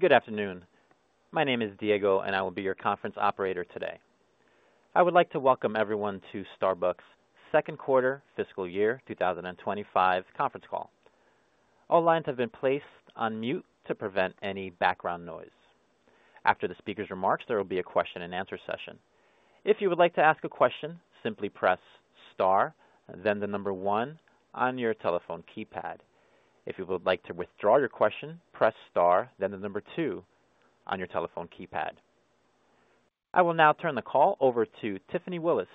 Good afternoon. My name is Diego, and I will be your conference operator today. I would like to welcome everyone to Starbucks Second Quarter Fiscal Year 2025 Conference Call. All lines have been placed on mute to prevent any background noise. After the speaker's remarks, there will be a question-and-answer session. If you would like to ask a question, simply press star, then the number one on your telephone keypad. If you would like to withdraw your question, press star, then the number two on your telephone keypad. I will now turn the call over to Tiffany Willis,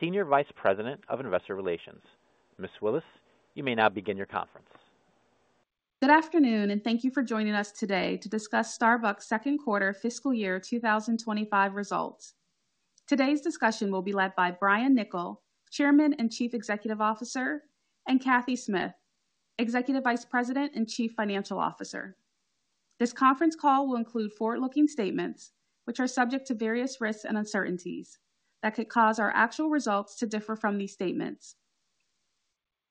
Senior Vice President of Investor Relations. Ms. Willis, you may now begin your conference. Good afternoon, and thank you for joining us today to discuss Starbucks second quarter fiscal year 2025 results. Today's discussion will be led by Brian Niccol, Chairman and Chief Executive Officer, and Cathy Smith, Executive Vice President and Chief Financial Officer. This conference call will include forward-looking statements, which are subject to various risks and uncertainties that could cause our actual results to differ from these statements.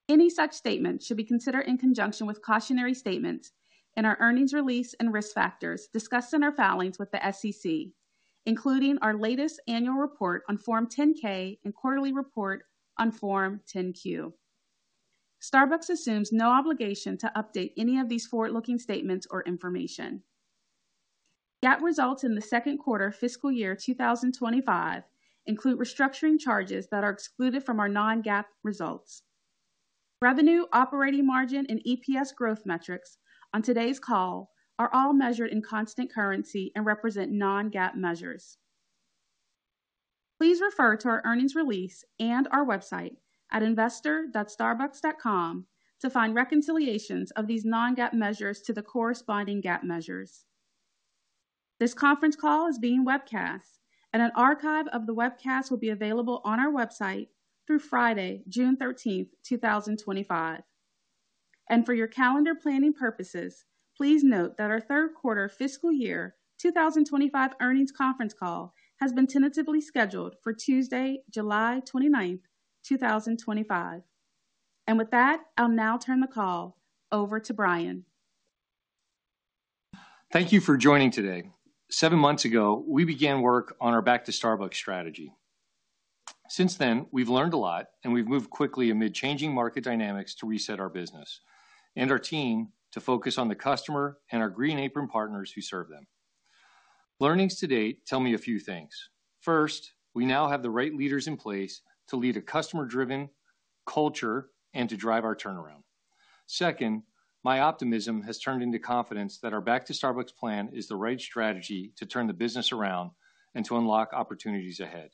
Any such statements should be considered in conjunction with cautionary statements in our earnings release and risk factors discussed in our filings with the SEC, including our latest annual report on Form 10-K and quarterly report on Form 10-Q. Starbucks assumes no obligation to update any of these forward-looking statements or information. GAAP results in the second quarter fiscal year 2025 include restructuring charges that are excluded from our non-GAAP results. Revenue, operating margin, and EPS growth metrics on today's call are all measured in constant currency and represent non-GAAP measures. Please refer to our earnings release and our website at investor.starbucks.com to find reconciliations of these non-GAAP measures to the corresponding GAAP measures. This conference call is being webcast, and an archive of the webcast will be available on our website through Friday, June 13, 2025. For your calendar planning purposes, please note that our third quarter fiscal year 2025 earnings conference call has been tentatively scheduled for Tuesday, July 29, 2025. With that, I'll now turn the call over to Brian. Thank you for joining today. Seven months ago, we began work on our Back to Starbucks strategy. Since then, we've learned a lot, and we've moved quickly amid changing market dynamics to reset our business and our team to focus on the customer and our Green Apron partners who serve them. Learnings to date tell me a few things. First, we now have the right leaders in place to lead a customer-driven culture and to drive our turnaround. Second, my optimism has turned into confidence that our Back to Starbucks plan is the right strategy to turn the business around and to unlock opportunities ahead.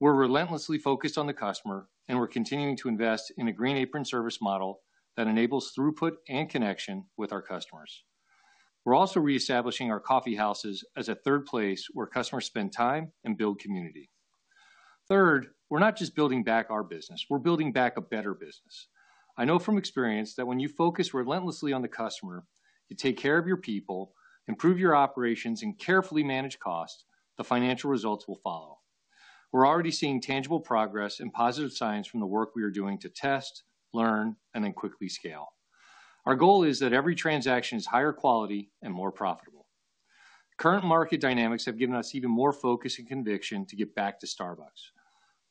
We're relentlessly focused on the customer, and we're continuing to invest in a Green Apron Service Model that enables throughput and connection with our customers. We're also reestablishing our coffee houses as a Third Place where customers spend time and build community. Third, we're not just building back our business; we're building back a better business. I know from experience that when you focus relentlessly on the customer, you take care of your people, improve your operations, and carefully manage costs, the financial results will follow. We're already seeing tangible progress and positive signs from the work we are doing to test, learn, and then quickly scale. Our goal is that every transaction is higher quality and more profitable. Current market dynamics have given us even more focus and conviction to get back to Starbucks.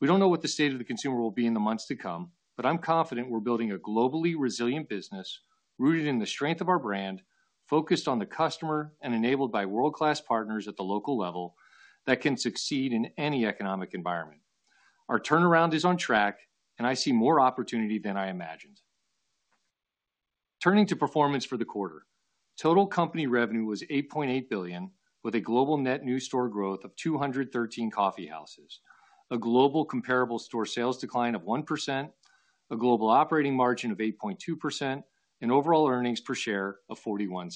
We don't know what the state of the consumer will be in the months to come, but I'm confident we're building a globally resilient business rooted in the strength of our brand, focused on the customer, and enabled by world-class partners at the local level that can succeed in any economic environment. Our turnaround is on track, and I see more opportunity than I imagined. Turning to performance for the quarter, total company revenue was $8.8 billion, with a global net new store growth of 213 coffee houses, a global comparable store sales decline of 1%, a global operating margin of 8.2%, and overall earnings per share of $0.41.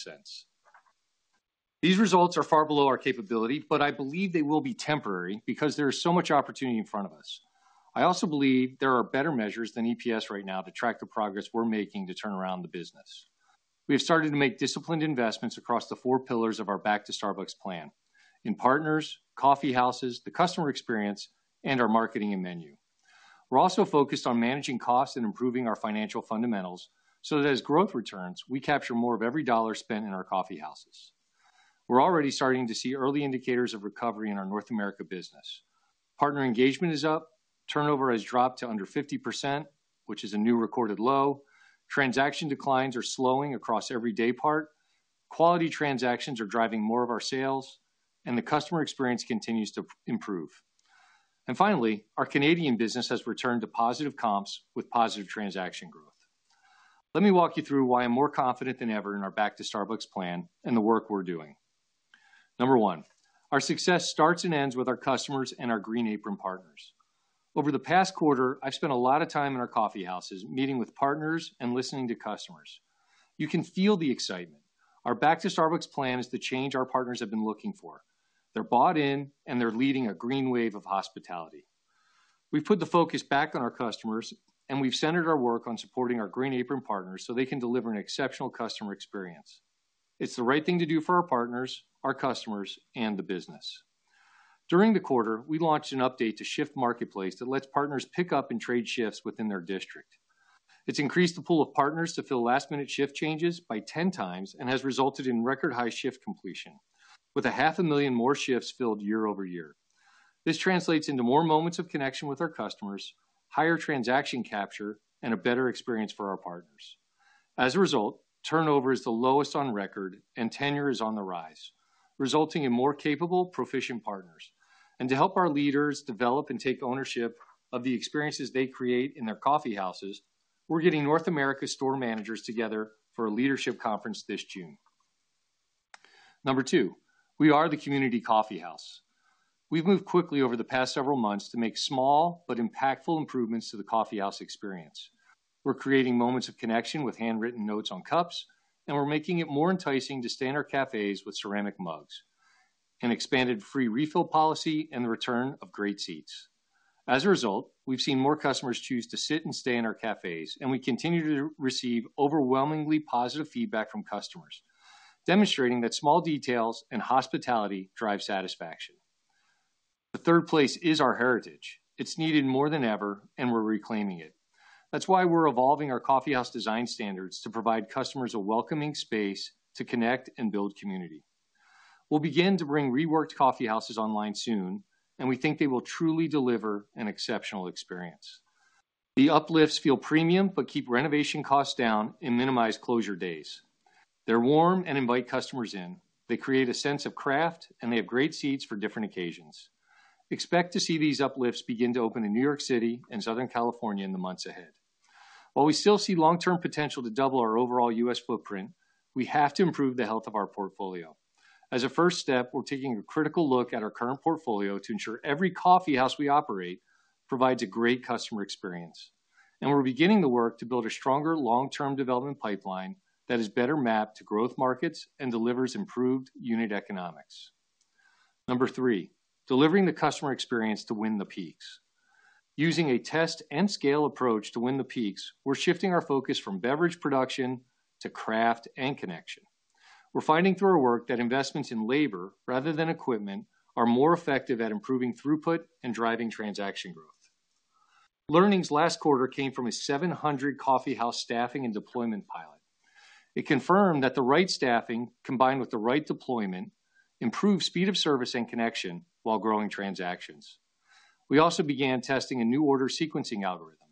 These results are far below our capability, but I believe they will be temporary because there is so much opportunity in front of us. I also believe there are better measures than EPS right now to track the progress we're making to turn around the business. We have started to make disciplined investments across the four pillars of our back-to-Starbucks plan: in partners, coffee houses, the customer experience, and our marketing and menu. We're also focused on managing costs and improving our financial fundamentals so that as growth returns, we capture more of every dollar spent in our coffee houses. We're already starting to see early indicators of recovery in our North America business. Partner engagement is up, turnover has dropped to under 50%, which is a new recorded low, transaction declines are slowing across every day part, quality transactions are driving more of our sales, and the customer experience continues to improve. Our Canadian business has returned to positive comps with positive transaction growth. Let me walk you through why I'm more confident than ever in our Back-to-Starbucks plan and the work we're doing. Number one, our success starts and ends with our customers and our Green Apron partners. Over the past quarter, I've spent a lot of time in our coffee houses meeting with partners and listening to customers. You can feel the excitement. Our Back-to-Starbucks plan is the change our partners have been looking for. They're bought in, and they're leading a green wave of hospitality. We've put the focus back on our customers, and we've centered our work on supporting our Green Apron partners so they can deliver an exceptional customer experience. It's the right thing to do for our partners, our customers, and the business. During the quarter, we launched an update to Shift Marketplace that lets partners pick up and trade shifts within their district. It's increased the pool of partners to fill last-minute shift changes by 10 times and has resulted in record-high shift completion, with 500,000 more shifts filled year over year. This translates into more moments of connection with our customers, higher transaction capture, and a better experience for our partners. As a result, turnover is the lowest on record, and tenure is on the rise, resulting in more capable, proficient partners. To help our leaders develop and take ownership of the experiences they create in their coffee houses, we're getting North America store managers together for a leadership conference this June. Number two, we are the community coffee house. We've moved quickly over the past several months to make small but impactful improvements to the coffee house experience. We're creating moments of connection with handwritten notes on cups, and we're making it more enticing to stay in our cafes with ceramic mugs, an expanded free refill policy, and the return of great seats. As a result, we've seen more customers choose to sit and stay in our cafes, and we continue to receive overwhelmingly positive feedback from customers, demonstrating that small details and hospitality drive satisfaction. The third place is our heritage. It's needed more than ever, and we're reclaiming it. That's why we're evolving our coffee house design standards to provide customers a welcoming space to connect and build community. We'll begin to bring reworked coffee houses online soon, and we think they will truly deliver an exceptional experience. The uplifts feel premium but keep renovation costs down and minimize closure days. They're warm and invite customers in. They create a sense of craft, and they have great seats for different occasions. Expect to see these uplifts begin to open in New York City and Southern California in the months ahead. While we still see long-term potential to double our overall U.S. footprint, we have to improve the health of our portfolio. As a first step, we're taking a critical look at our current portfolio to ensure every coffee house we operate provides a great customer experience. We're beginning the work to build a stronger long-term development pipeline that is better mapped to growth markets and delivers improved unit economics. Number three, delivering the customer experience to win the peaks. Using a test and scale approach to win the peaks, we're shifting our focus from beverage production to craft and connection. We're finding through our work that investments in labor rather than equipment are more effective at improving throughput and driving transaction growth. Learnings last quarter came from a 700-coffee house staffing and deployment pilot. It confirmed that the right staffing, combined with the right deployment, improves speed of service and connection while growing transactions. We also began testing a new order sequencing algorithm.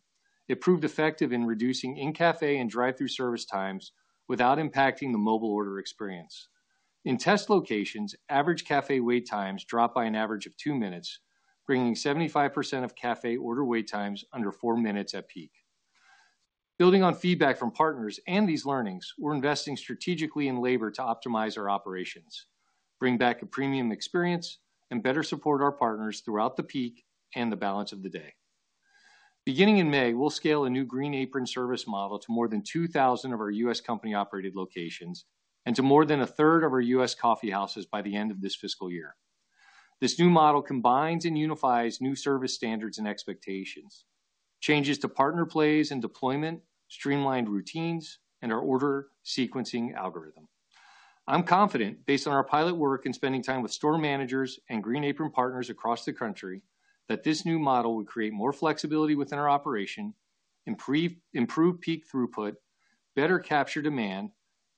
It proved effective in reducing in-cafe and drive-thru service times without impacting the mobile order experience. In test locations, average cafe wait times dropped by an average of two minutes, bringing 75% of cafe order wait times under four minutes at peak. Building on feedback from partners and these learnings, we're investing strategically in labor to optimize our operations, bring back a premium experience, and better support our partners throughout the peak and the balance of the day. Beginning in May, we'll scale a new Green Apron service model to more than 2,000 of our U.S. company-operated locations and to more than a third of our U.S. coffee houses by the end of this fiscal year. This new model combines and unifies new service standards and expectations, changes to partner plays and deployment, streamlined routines, and our order sequencing algorithm. I'm confident, based on our pilot work and spending time with store managers and Green Apron partners across the country, that this new model will create more flexibility within our operation, improve peak throughput, better capture demand,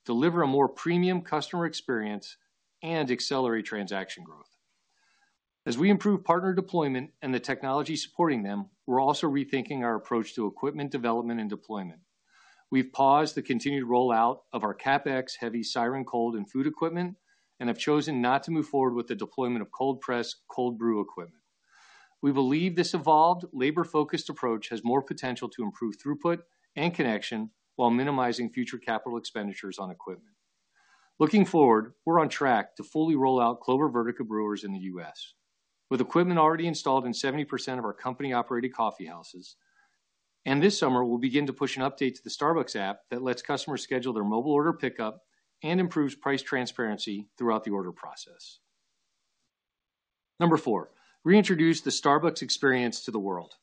deliver a more premium customer experience, and accelerate transaction growth. As we improve partner deployment and the technology supporting them, we're also rethinking our approach to equipment development and deployment. We've paused the continued rollout of our CapEx-heavy Siren, cold, and food equipment and have chosen not to move forward with the deployment of cold press, cold brew equipment. We believe this evolved labor-focused approach has more potential to improve throughput and connection while minimizing future capital expenditures on equipment. Looking forward, we're on track to fully roll out Clover Vertica Brewers in the U.S. with equipment already installed in 70% of our company-operated coffee houses. This summer, we'll begin to push an update to the Starbucks App that lets customers schedule their mobile order pickup and improves price transparency throughout the order process. Number four, reintroduce the Starbucks experience to the world.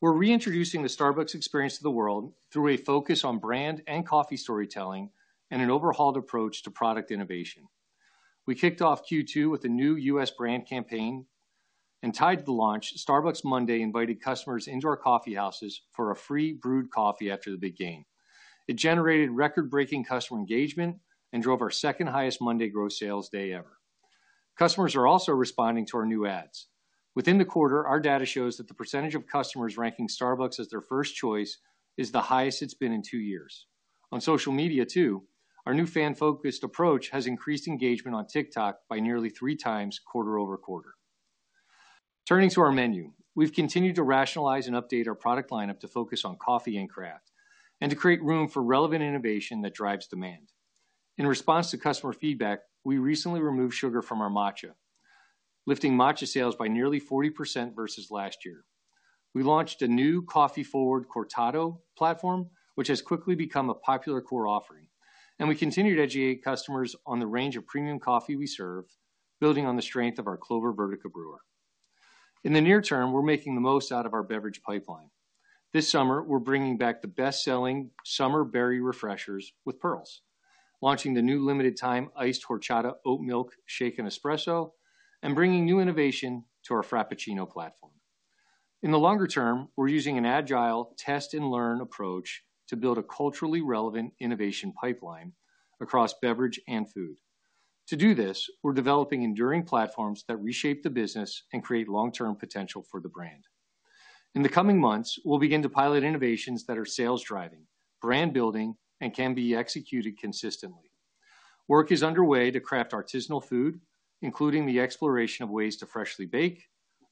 We're reintroducing the Starbucks experience to the world through a focus on brand and coffee storytelling and an overhauled approach to product innovation. We kicked off Q2 with a new U.S. brand campaign and tied to the launch, Starbucks Monday invited customers into our coffee houses for a free brewed coffee after the big game. It generated record-breaking customer engagement and drove our second-highest Monday gross sales day ever. Customers are also responding to our new ads. Within the quarter, our data shows that the percentage of customers ranking Starbucks as their first choice is the highest it's been in two years. On social media, too, our new fan-focused approach has increased engagement on TikTok by nearly three times quarter over quarter. Turning to our menu, we have continued to rationalize and update our product lineup to focus on coffee and craft and to create room for relevant innovation that drives demand. In response to customer feedback, we recently removed sugar from our matcha, lifting matcha sales by nearly 40% versus last year. We launched a new coffee-forward cortado platform, which has quickly become a popular core offering. We continue to educate customers on the range of premium coffee we serve, building on the strength of our Clover Vertica Brewer. In the near term, we are making the most out of our beverage pipeline. This summer, we're bringing back the best-selling Summer-Berry Refreshers with Pearls, launching the new limited-time Iced Horchata Oatmilk Shaken Espresso, and bringing new innovation to our Frappuccino platform. In the longer term, we're using an agile test-and-learn approach to build a culturally relevant innovation pipeline across beverage and food. To do this, we're developing enduring platforms that reshape the business and create long-term potential for the brand. In the coming months, we'll begin to pilot innovations that are sales-driving, brand-building, and can be executed consistently. Work is underway to craft artisanal food, including the exploration of ways to freshly bake,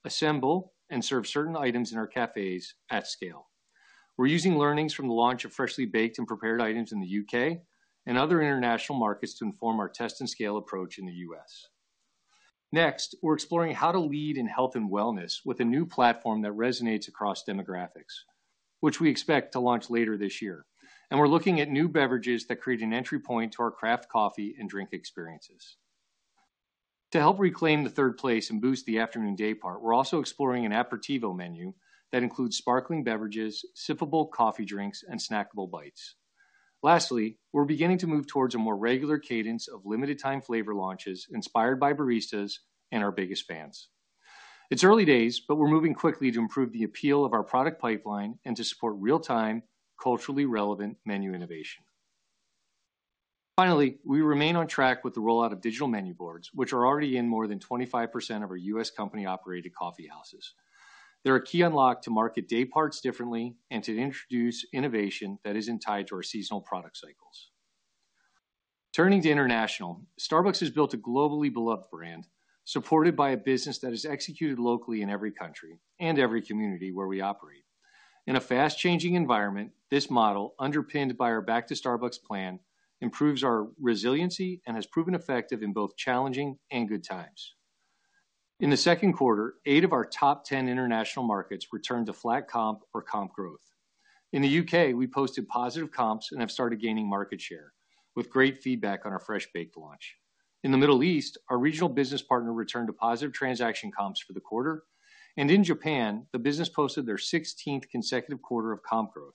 assemble, and serve certain items in our cafes at scale. We're using learnings from the launch of freshly baked and prepared items in the U.K. and other international markets to inform our test-and-scale approach in the U.S. Next, we're exploring how to lead in health and wellness with a new platform that resonates across demographics, which we expect to launch later this year. We're looking at new beverages that create an entry point to our craft coffee and drink experiences. To help reclaim the third place and boost the afternoon day part, we're also exploring an aperitivo menu that includes sparkling beverages, sippable coffee drinks, and snackable bites. Lastly, we're beginning to move towards a more regular cadence of limited-time flavor launches inspired by baristas and our biggest fans. It's early days, but we're moving quickly to improve the appeal of our product pipeline and to support real-time, culturally relevant menu innovation. Finally, we remain on track with the rollout of digital menu boards, which are already in more than 25% of our U.S. company-operated coffee houses. They're a key unlock to market day parts differently and to introduce innovation that isn't tied to our seasonal product cycles. Turning to international, Starbucks has built a globally beloved brand supported by a business that is executed locally in every country and every community where we operate. In a fast-changing environment, this model, underpinned by our Back-to-Starbucks plan, improves our resiliency and has proven effective in both challenging and good times. In the second quarter, eight of our top 10 international markets returned to flat comp or comp growth. In the U.K., we posted positive comps and have started gaining market share with great feedback on our fresh baked launch. In the Middle East, our regional business partner returned to positive transaction comps for the quarter. In Japan, the business posted their 16th consecutive quarter of comp growth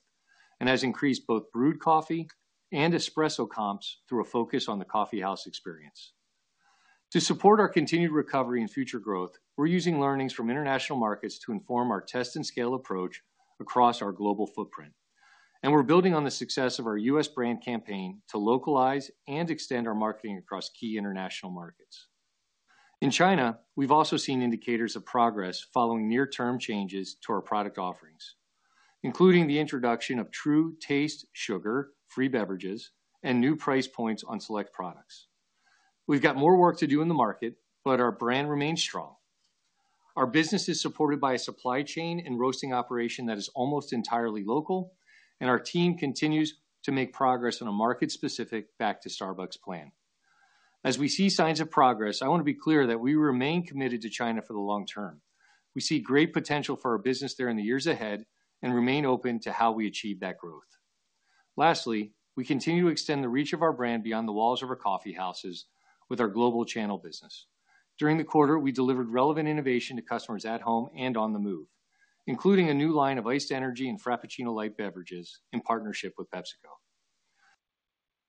and has increased both brewed coffee and espresso comps through a focus on the coffee house experience. To support our continued recovery and future growth, we are using learnings from international markets to inform our test-and-scale approach across our global footprint. We are building on the success of our U.S. brand campaign to localize and extend our marketing across key international markets. In China, we have also seen indicators of progress following near-term changes to our product offerings, including the introduction of true taste sugar-free beverages and new price points on select products. We have more work to do in the market, but our brand remains strong. Our business is supported by a supply chain and roasting operation that is almost entirely local, and our team continues to make progress on a market-specific Back-to-Starbucks plan. As we see signs of progress, I want to be clear that we remain committed to China for the long term. We see great potential for our business there in the years ahead and remain open to how we achieve that growth. Lastly, we continue to extend the reach of our brand beyond the walls of our coffee houses with our global channel business. During the quarter, we delivered relevant innovation to customers at home and on the move, including a new line of iced energy and Frappuccino-like beverages in partnership with PepsiCo.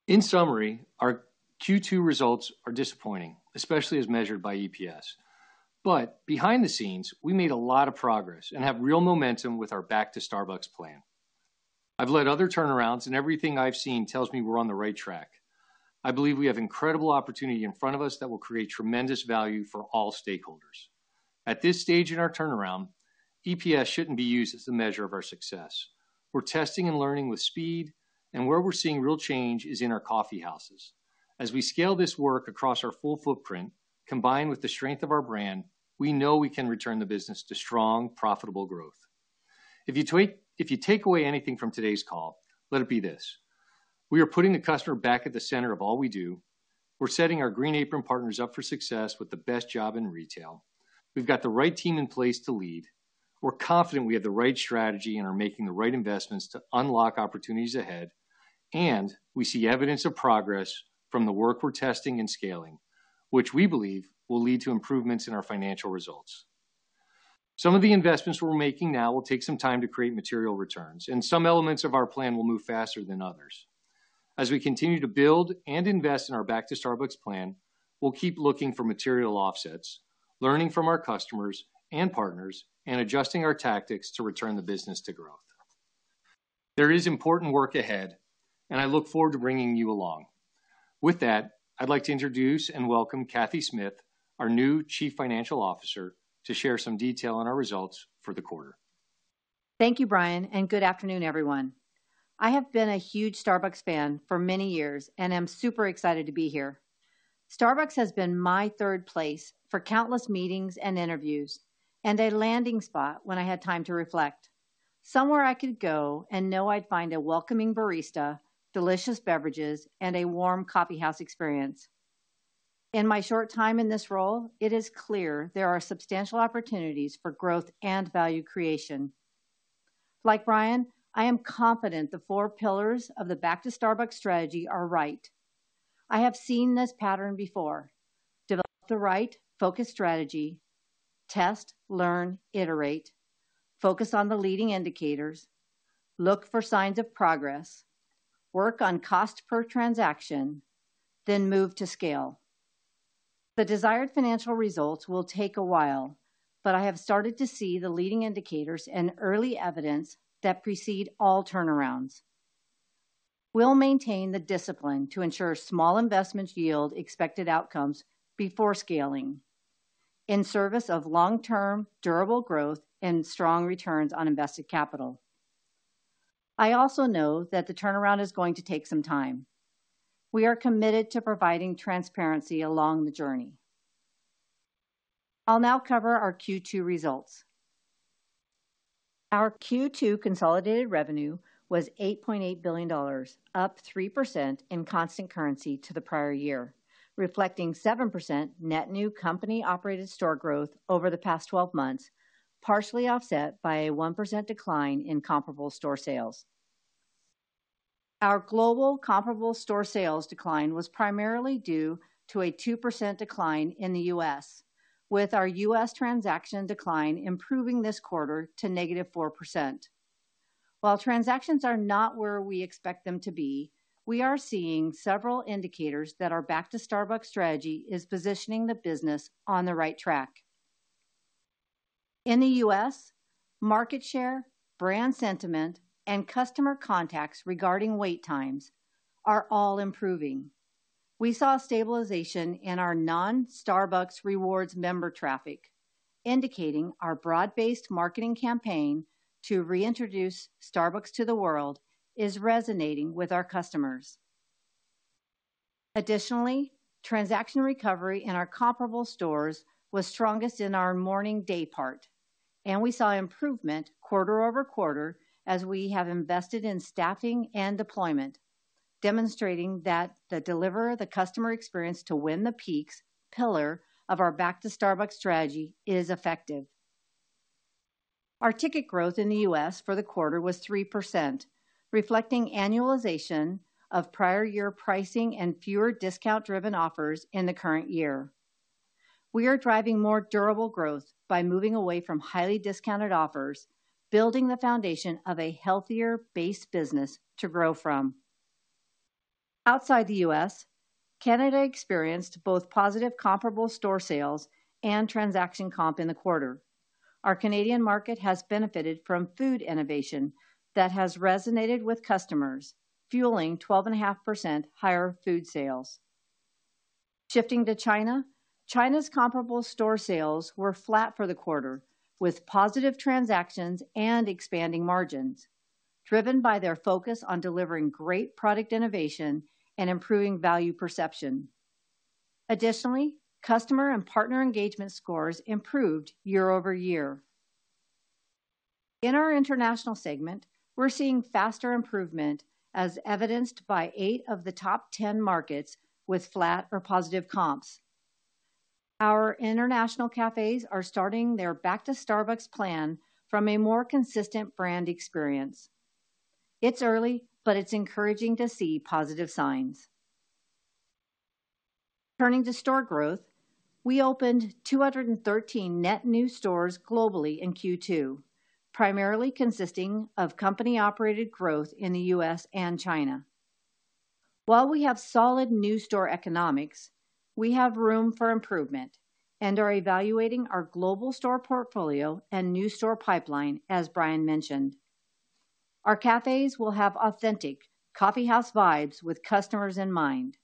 In summary, our Q2 results are disappointing, especially as measured by EPS. Behind the scenes, we made a lot of progress and have real momentum with our back-to-Starbucks plan. I've led other turnarounds, and everything I've seen tells me we're on the right track. I believe we have incredible opportunity in front of us that will create tremendous value for all stakeholders. At this stage in our turnaround, EPS shouldn't be used as a measure of our success. We're testing and learning with speed, and where we're seeing real change is in our coffee houses. As we scale this work across our full footprint, combined with the strength of our brand, we know we can return the business to strong, profitable growth. If you take away anything from today's call, let it be this: we are putting the customer back at the center of all we do. We're setting our Green Apron partners up for success with the best job in retail. We've got the right team in place to lead. We're confident we have the right strategy and are making the right investments to unlock opportunities ahead. We see evidence of progress from the work we're testing and scaling, which we believe will lead to improvements in our financial results. Some of the investments we're making now will take some time to create material returns, and some elements of our plan will move faster than others. As we continue to build and invest in our back-to-Starbucks plan, we'll keep looking for material offsets, learning from our customers and partners, and adjusting our tactics to return the business to growth. There is important work ahead, and I look forward to bringing you along. With that, I'd like to introduce and welcome Cathy Smith, our new Chief Financial Officer, to share some detail on our results for the quarter. Thank you, Brian, and good afternoon, everyone. I have been a huge Starbucks fan for many years and am super excited to be here. Starbucks has been my third place for countless meetings and interviews and a landing spot when I had time to reflect. Somewhere I could go and know I'd find a welcoming barista, delicious beverages, and a warm coffee house experience. In my short time in this role, it is clear there are substantial opportunities for growth and value creation. Like Brian, I am confident the four pillars of the Back-to-Starbucks Strategy are right. I have seen this pattern before: develop the right focus strategy, test, learn, iterate, focus on the leading indicators, look for signs of progress, work on cost per transaction, then move to scale. The desired financial results will take a while, but I have started to see the leading indicators and early evidence that precede all turnarounds. We'll maintain the discipline to ensure small investments yield expected outcomes before scaling in service of long-term durable growth and strong returns on invested capital. I also know that the turnaround is going to take some time. We are committed to providing transparency along the journey. I'll now cover our Q2 results. Our Q2 consolidated revenue was $8.8 billion, up 3% in constant currency to the prior year, reflecting 7% net new company-operated store growth over the past 12 months, partially offset by a 1% decline in comparable store sales. Our global comparable store sales decline was primarily due to a 2% decline in the U.S., with our U.S. transaction decline improving this quarter to negative 4%. While transactions are not where we expect them to be, we are seeing several indicators that our Back-to-Starbucks strategy is positioning the business on the right track. In the U.S., market share, brand sentiment, and customer contacts regarding wait times are all improving. We saw stabilization in our non-Starbucks Rewards member traffic, indicating our broad-based marketing campaign to reintroduce Starbucks to the world is resonating with our customers. Additionally, transaction recovery in our comparable stores was strongest in our morning day part, and we saw improvement quarter over quarter as we have invested in staffing and deployment, demonstrating that the deliver of the customer experience to win the peaks pillar of our Back-to-Starbucks Strategy is effective. Our ticket growth in the U.S. for the quarter was 3%, reflecting annualization of prior year pricing and fewer discount-driven offers in the current year. We are driving more durable growth by moving away from highly discounted offers, building the foundation of a healthier base business to grow from. Outside the U.S., Canada experienced both positive comparable store sales and transaction comp in the quarter. Our Canadian market has benefited from food innovation that has resonated with customers, fueling 12.5% higher food sales. Shifting to China, China's comparable store sales were flat for the quarter, with positive transactions and expanding margins, driven by their focus on delivering great product innovation and improving value perception. Additionally, customer and partner engagement scores improved year over year. In our international segment, we're seeing faster improvement, as evidenced by eight of the top 10 markets with flat or positive comps. Our international cafes are starting their Back-to-Starbucks plan from a more consistent brand experience. It's early, but it's encouraging to see positive signs. Turning to store growth, we opened 213 net new stores globally in Q2, primarily consisting of company-operated growth in the U.S. and China. While we have solid new store economics, we have room for improvement and are evaluating our global store portfolio and new store pipeline, as Brian mentioned. Our cafes will have authentic coffee house vibes with customers in mind.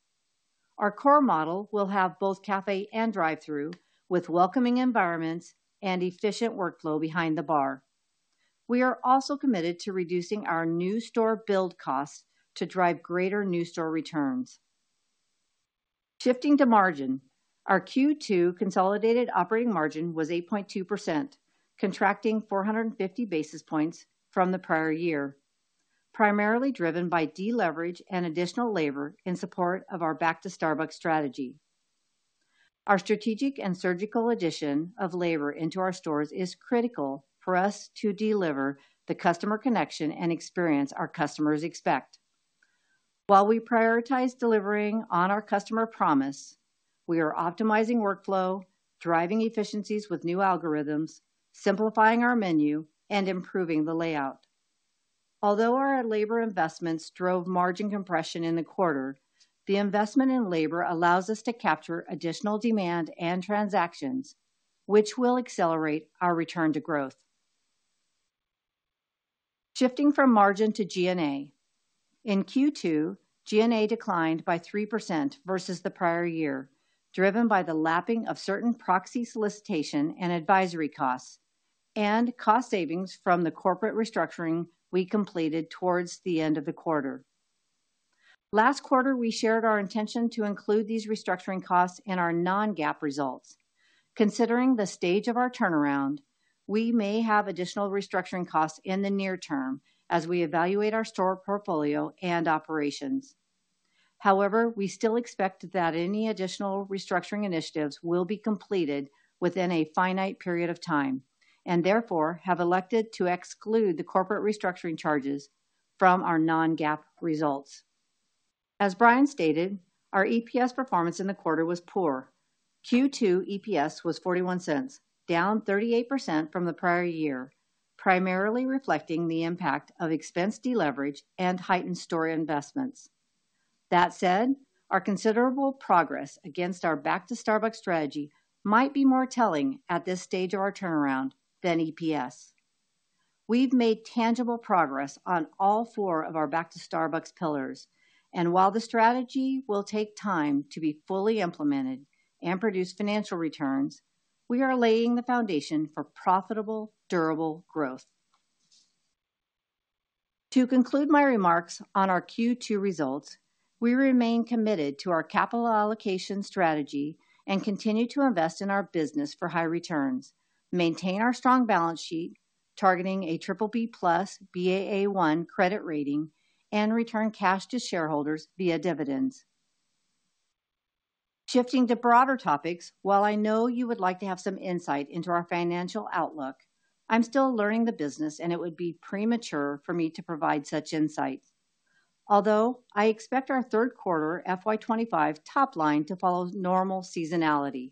Our core model will have both cafe and drive-thru, with welcoming environments and efficient workflow behind the bar. We are also committed to reducing our new store build costs to drive greater new store returns. Shifting to margin, our Q2 consolidated operating margin was 8.2%, contracting 450 basis points from the prior year, primarily driven by deleverage and additional labor in support of our Back-to-Starbucks Strategy. Our strategic and surgical addition of labor into our stores is critical for us to deliver the customer connection and experience our customers expect. While we prioritize delivering on our customer promise, we are optimizing workflow, driving efficiencies with new algorithms, simplifying our menu, and improving the layout. Although our labor investments drove margin compression in the quarter, the investment in labor allows us to capture additional demand and transactions, which will accelerate our return to growth. Shifting from margin to G&A. In Q2, G&A declined by 3% versus the prior year, driven by the lapping of certain proxy solicitation and advisory costs and cost savings from the corporate restructuring we completed towards the end of the quarter. Last quarter, we shared our intention to include these restructuring costs in our non-GAAP results. Considering the stage of our turnaround, we may have additional restructuring costs in the near term as we evaluate our store portfolio and operations. However, we still expect that any additional restructuring initiatives will be completed within a finite period of time and therefore have elected to exclude the corporate restructuring charges from our non-GAAP results. As Brian stated, our EPS performance in the quarter was poor. Q2 EPS was $0.41, down 38% from the prior year, primarily reflecting the impact of expense deleverage and heightened store investments. That said, our considerable progress against our Back-to-Starbucks Strategy might be more telling at this stage of our turnaround than EPS. We've made tangible progress on all four of our Back-to-Starbucks pillars, and while the strategy will take time to be fully implemented and produce financial returns, we are laying the foundation for profitable, durable growth. To conclude my remarks on our Q2 results, we remain committed to our capital allocation strategy and continue to invest in our business for high returns, maintain our strong balance sheet, targeting a BBB+ Baa1 credit rating, and return cash to shareholders via dividends. Shifting to broader topics, while I know you would like to have some insight into our financial outlook, I'm still learning the business, and it would be premature for me to provide such insights. Although I expect our third quarter FY2025 top line to follow normal seasonality,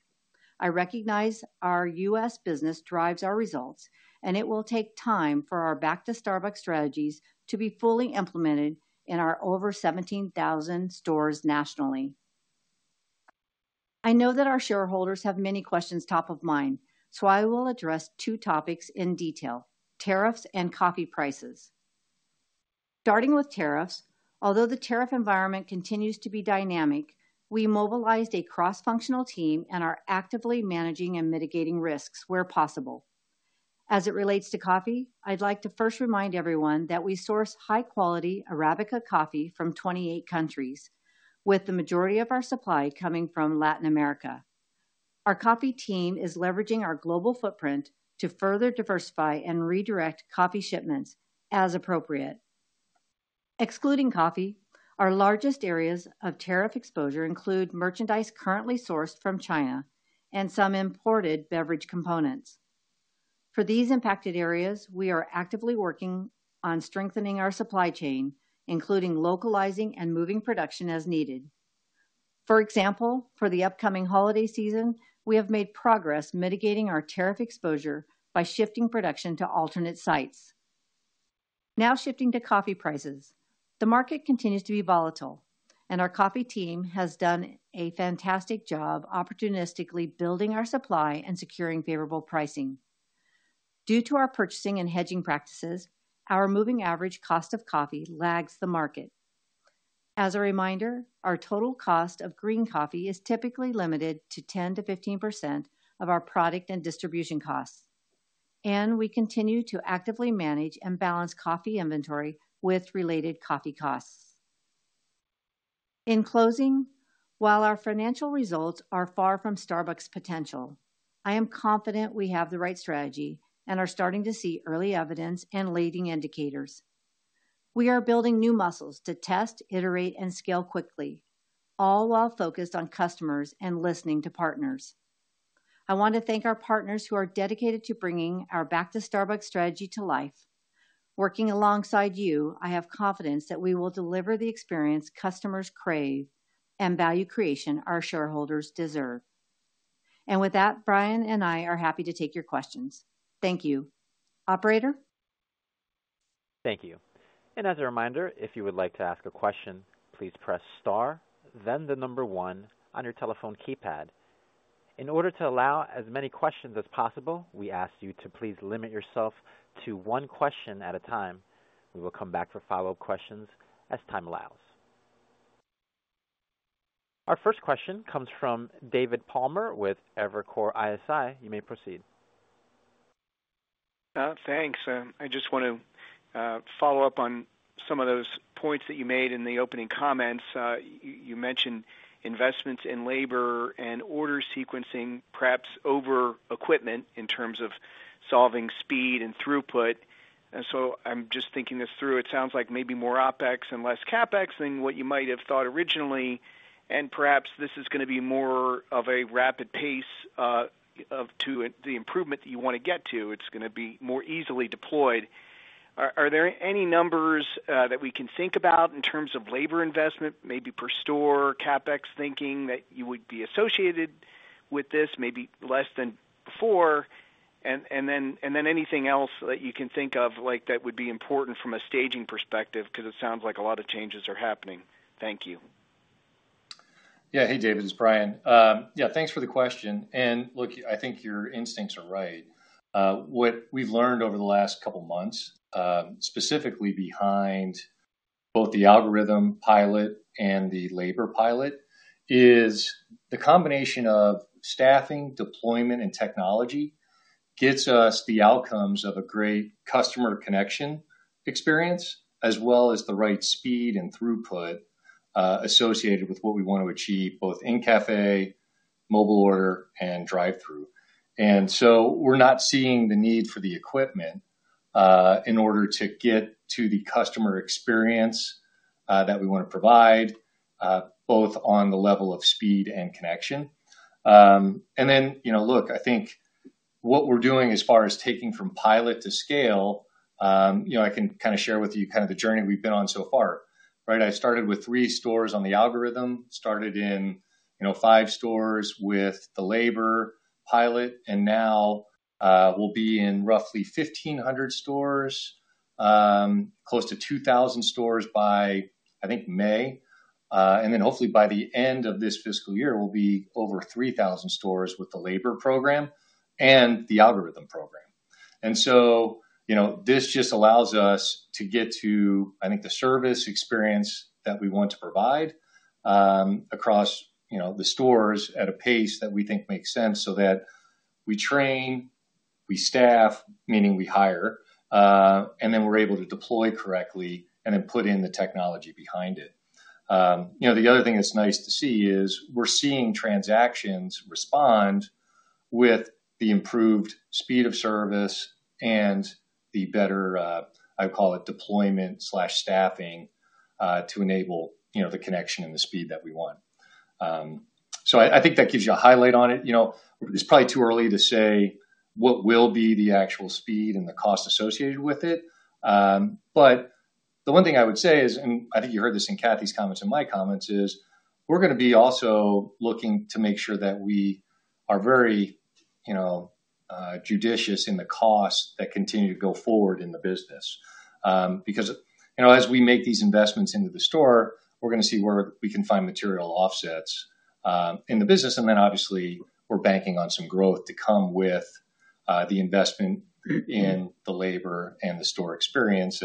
I recognize our U.S. business drives our results, and it will take time for our Back-to-Starbucks strategies to be fully implemented in our over 17,000 stores nationally. I know that our shareholders have many questions top of mind, so I will address two topics in detail: tariffs and coffee prices. Starting with tariffs, although the tariff environment continues to be dynamic, we mobilized a cross-functional team and are actively managing and mitigating risks where possible. As it relates to coffee, I'd like to first remind everyone that we source high-quality Arabica coffee from 28 countries, with the majority of our supply coming from Latin America. Our coffee team is leveraging our global footprint to further diversify and redirect coffee shipments as appropriate. Excluding coffee, our largest areas of tariff exposure include merchandise currently sourced from China and some imported beverage components. For these impacted areas, we are actively working on strengthening our supply chain, including localizing and moving production as needed. For example, for the upcoming holiday season, we have made progress mitigating our tariff exposure by shifting production to alternate sites. Now shifting to coffee prices, the market continues to be volatile, and our coffee team has done a fantastic job opportunistically building our supply and securing favorable pricing. Due to our purchasing and hedging practices, our moving average cost of coffee lags the market. As a reminder, our total cost of green coffee is typically limited to 10-15% of our product and distribution costs, and we continue to actively manage and balance coffee inventory with related coffee costs. In closing, while our financial results are far from Starbucks' potential, I am confident we have the right strategy and are starting to see early evidence and leading indicators. We are building new muscles to test, iterate, and scale quickly, all while focused on customers and listening to partners. I want to thank our partners who are dedicated to bringing our Back-to-Starbucks Strategy to life. Working alongside you, I have confidence that we will deliver the experience customers crave and value creation our shareholders deserve. With that, Brian and I are happy to take your questions. Thank you. Operator? Thank you. As a reminder, if you would like to ask a question, please press Star, then the number one on your telephone keypad. In order to allow as many questions as possible, we ask you to please limit yourself to one question at a time. We will come back for follow-up questions as time allows. Our first question comes from David Palmer with Evercore ISI. You may proceed. Thanks. I just want to follow up on some of those points that you made in the opening comments. You mentioned investments in labor and order sequencing, perhaps over equipment in terms of solving speed and throughput. I am just thinking this through. It sounds like maybe more OpEx and less CapEx than what you might have thought originally, and perhaps this is going to be more of a rapid pace to the improvement that you want to get to. It's going to be more easily deployed. Are there any numbers that we can think about in terms of labor investment, maybe per store CapEx thinking that you would be associated with this, maybe less than before, and then anything else that you can think of that would be important from a staging perspective because it sounds like a lot of changes are happening? Thank you. Yeah. Hey, David. It's Brian. Yeah, thanks for the question. Look, I think your instincts are right. What we've learned over the last couple of months, specifically behind both the algorithm pilot and the labor pilot, is the combination of staffing, deployment, and technology gets us the outcomes of a great customer connection experience, as well as the right speed and throughput associated with what we want to achieve both in cafe, mobile order, and drive-thru. We're not seeing the need for the equipment in order to get to the customer experience that we want to provide, both on the level of speed and connection. I think what we're doing as far as taking from pilot to scale, I can kind of share with you kind of the journey we've been on so far. I started with three stores on the algorithm, started in five stores with the labor pilot, and now we'll be in roughly 1,500 stores, close to 2,000 stores by, I think, May. Hopefully by the end of this fiscal year, we'll be over 3,000 stores with the labor program and the algorithm program. This just allows us to get to, I think, the service experience that we want to provide across the stores at a pace that we think makes sense so that we train, we staff, meaning we hire, and then we're able to deploy correctly and then put in the technology behind it. The other thing that's nice to see is we're seeing transactions respond with the improved speed of service and the better, I would call it, deployment/staffing to enable the connection and the speed that we want. I think that gives you a highlight on it. It's probably too early to say what will be the actual speed and the cost associated with it. The one thing I would say is, and I think you heard this in Cathy’s comments and my comments, we're going to be also looking to make sure that we are very judicious in the costs that continue to go forward in the business. Because as we make these investments into the store, we're going to see where we can find material offsets in the business. Obviously, we're banking on some growth to come with the investment in the labor and the store experience.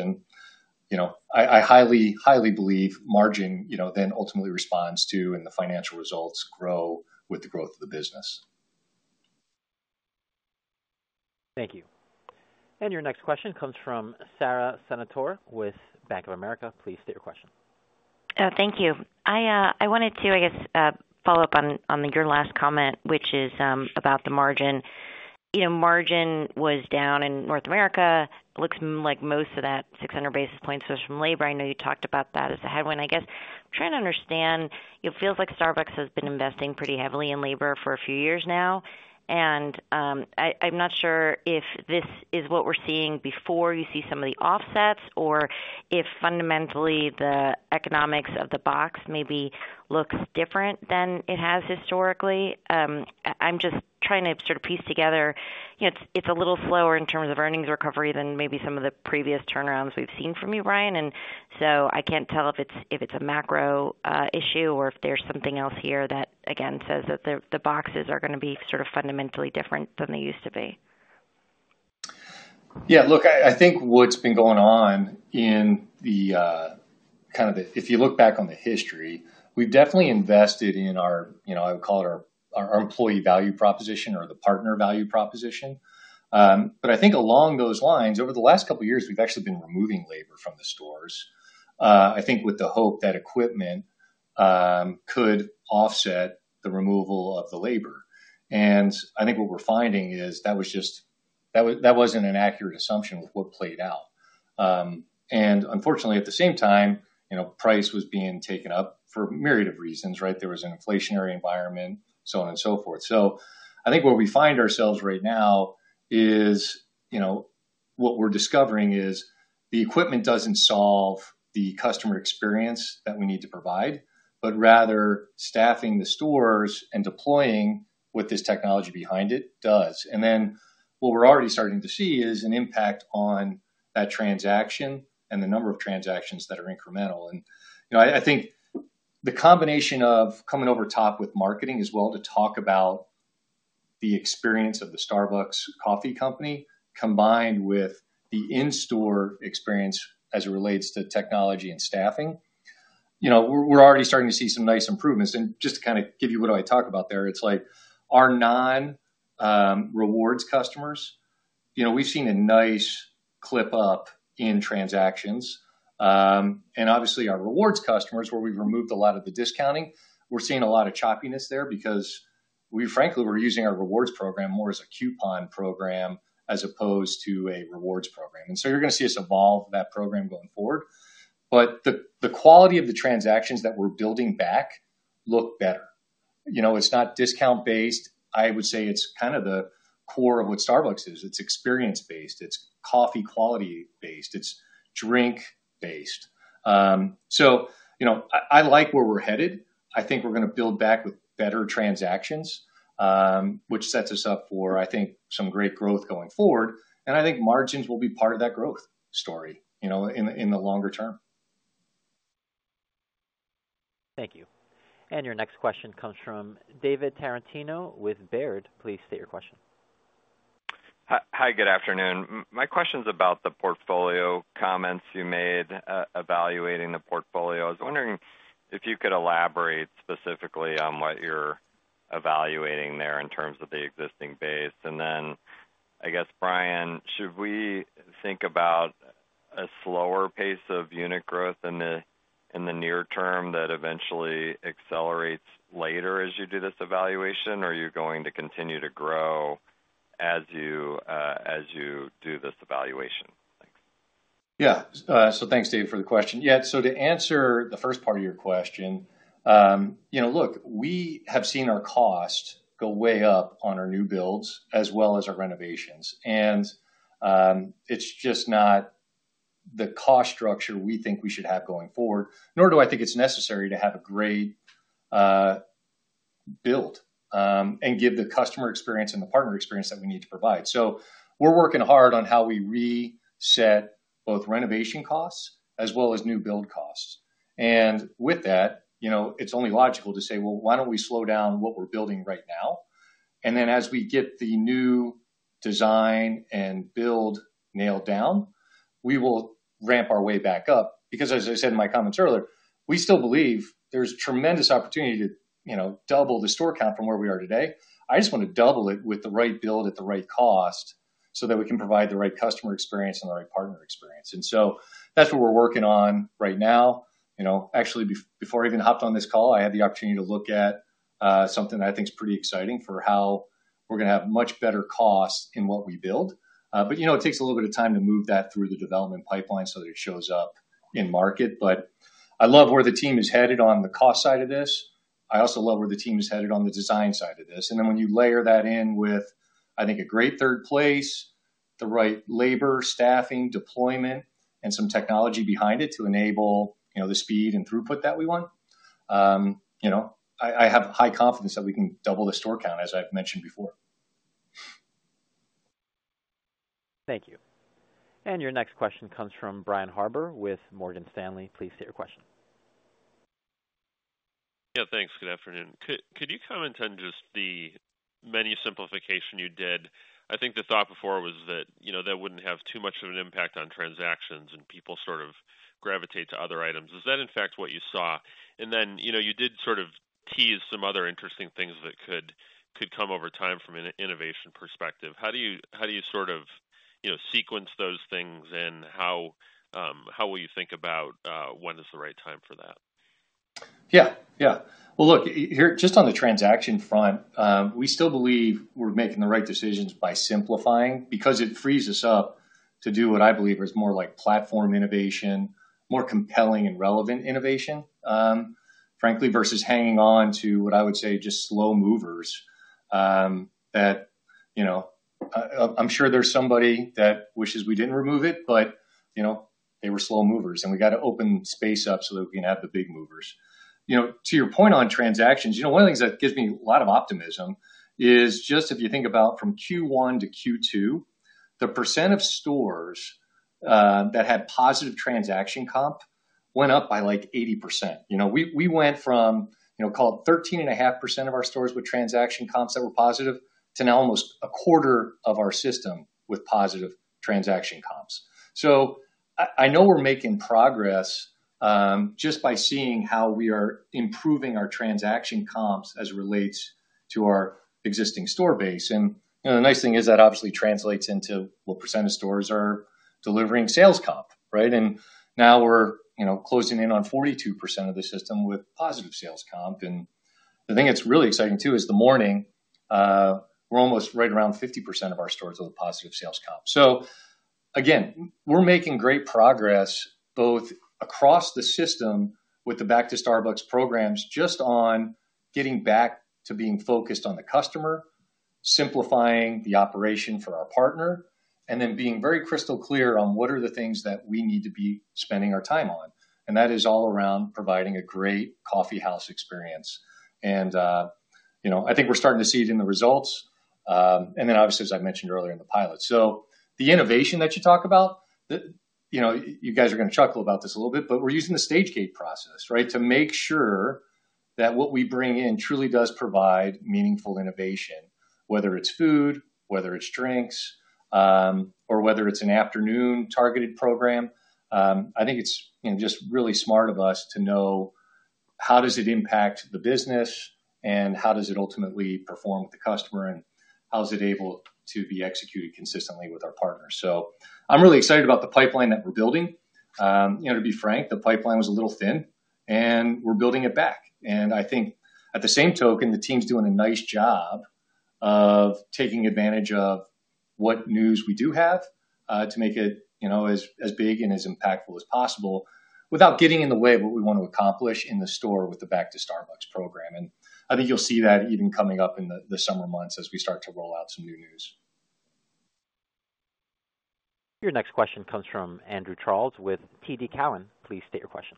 I highly, highly believe margin then ultimately responds to, and the financial results grow with the growth of the business. Thank you. Your next question comes from Sara Senatore with Bank of America. Please state your question. Thank you. I wanted to, I guess, follow up on your last comment, which is about the margin. Margin was down in North America. It looks like most of that 600 basis points was from labor. I know you talked about that as a headwind, I guess. I'm trying to understand. It feels like Starbucks has been investing pretty heavily in labor for a few years now. And I'm not sure if this is what we're seeing before you see some of the offsets or if fundamentally the economics of the box maybe looks different than it has historically. I'm just trying to sort of piece together. It's a little slower in terms of earnings recovery than maybe some of the previous turnarounds we've seen from you, Brian. I can't tell if it's a macro issue or if there's something else here that, again, says that the boxes are going to be sort of fundamentally different than they used to be. Yeah. Look, I think what's been going on in the kind of if you look back on the history, we've definitely invested in our, I would call it our employee value proposition or the partner value proposition. I think along those lines, over the last couple of years, we've actually been removing labor from the stores, I think with the hope that equipment could offset the removal of the labor. I think what we're finding is that was just that wasn't an accurate assumption with what played out. Unfortunately, at the same time, price was being taken up for a myriad of reasons, right? There was an inflationary environment, so on and so forth. I think where we find ourselves right now is what we're discovering is the equipment doesn't solve the customer experience that we need to provide, but rather staffing the stores and deploying what this technology behind it does. What we're already starting to see is an impact on that transaction and the number of transactions that are incremental. I think the combination of coming over top with marketing as well to talk about the experience of the Starbucks coffee company combined with the in-store experience as it relates to technology and staffing, we're already starting to see some nice improvements. Just to kind of give you what I talk about there, it's like our non-rewards customers, we've seen a nice clip up in transactions. Obviously, our rewards customers, where we've removed a lot of the discounting, we're seeing a lot of choppiness there because, frankly, we're using our rewards program more as a coupon program as opposed to a rewards program. You are going to see us evolve that program going forward. The quality of the transactions that we're building back look better. It's not discount-based. I would say it's kind of the core of what Starbucks is. It's experience-based. It's coffee-quality-based. It's drink-based. I like where we're headed. I think we're going to build back with better transactions, which sets us up for, I think, some great growth going forward. I think margins will be part of that growth story in the longer term. Thank you. Your next question comes from David Tarantino with Baird. Please state your question. Hi, good afternoon. My question's about the portfolio comments you made evaluating the portfolio. I was wondering if you could elaborate specifically on what you're evaluating there in terms of the existing base. I guess, Brian, should we think about a slower pace of unit growth in the near term that eventually accelerates later as you do this evaluation, or are you going to continue to grow as you do this evaluation? Thanks. Yeah. Thanks, David, for the question. Yeah. To answer the first part of your question, look, we have seen our cost go way up on our new builds as well as our renovations. It's just not the cost structure we think we should have going forward, nor do I think it's necessary to have a great build and give the customer experience and the partner experience that we need to provide. We're working hard on how we reset both renovation costs as well as new build costs. With that, it's only logical to say, "Well, why don't we slow down what we're building right now?" Then as we get the new design and build nailed down, we will ramp our way back up. Because, as I said in my comments earlier, we still believe there's tremendous opportunity to double the store count from where we are today. I just want to double it with the right build at the right cost so that we can provide the right customer experience and the right partner experience. That's what we're working on right now. Actually, before I even hopped on this call, I had the opportunity to look at something that I think is pretty exciting for how we're going to have much better costs in what we build. It takes a little bit of time to move that through the development pipeline so that it shows up in market. I love where the team is headed on the cost side of this. I also love where the team is headed on the design side of this. When you layer that in with, I think, a great third place, the right labor, staffing, deployment, and some technology behind it to enable the speed and throughput that we want, I have high confidence that we can double the store count, as I've mentioned before. Thank you. Your next question comes from Brian Harbour with Morgan Stanley. Please state your question. Yeah. Thanks. Good afternoon. Could you comment on just the menu simplification you did? I think the thought before was that that would not have too much of an impact on transactions and people sort of gravitate to other items. Is that, in fact, what you saw? You did sort of tease some other interesting things that could come over time from an innovation perspective. How do you sort of sequence those things and how will you think about when is the right time for that? Yeah. Yeah. Look, just on the transaction front, we still believe we're making the right decisions by simplifying because it frees us up to do what I believe is more like platform innovation, more compelling and relevant innovation, frankly, versus hanging on to what I would say just slow movers that I'm sure there's somebody that wishes we didn't remove it, but they were slow movers. We got to open space up so that we can have the big movers. To your point on transactions, one of the things that gives me a lot of optimism is just if you think about from Q1 to Q2, the % of stores that had positive transaction comp went up by like 80%. We went from, call it, 13.5% of our stores with transaction comps that were positive to now almost a quarter of our system with positive transaction comps. I know we're making progress just by seeing how we are improving our transaction comps as it relates to our existing store base. The nice thing is that obviously translates into what % of stores are delivering sales comp, right? Now we're closing in on 42% of the system with positive sales comp. The thing that's really exciting too is the morning, we're almost right around 50% of our stores with a positive sales comp. Again, we're making great progress both across the system with the Back-to-Starbucks programs just on getting back to being focused on the customer, simplifying the operation for our partner, and then being very crystal clear on what are the things that we need to be spending our time on. That is all around providing a great coffeehouse experience. I think we're starting to see it in the results. Obviously, as I mentioned earlier in the pilot, the innovation that you talk about, you guys are going to chuckle about this a little bit, but we're using the stage gate process, right, to make sure that what we bring in truly does provide meaningful innovation, whether it's food, whether it's drinks, or whether it's an afternoon targeted program. I think it's just really smart of us to know how does it impact the business and how does it ultimately perform with the customer and how is it able to be executed consistently with our partners. I'm really excited about the pipeline that we're building. To be frank, the pipeline was a little thin, and we're building it back. I think at the same token, the team's doing a nice job of taking advantage of what news we do have to make it as big and as impactful as possible without getting in the way of what we want to accomplish in the store with the Back-to-Starbucks program. I think you'll see that even coming up in the summer months as we start to roll out some new news. Your next question comes from Andrew Charles with TD Cowen. Please state your question.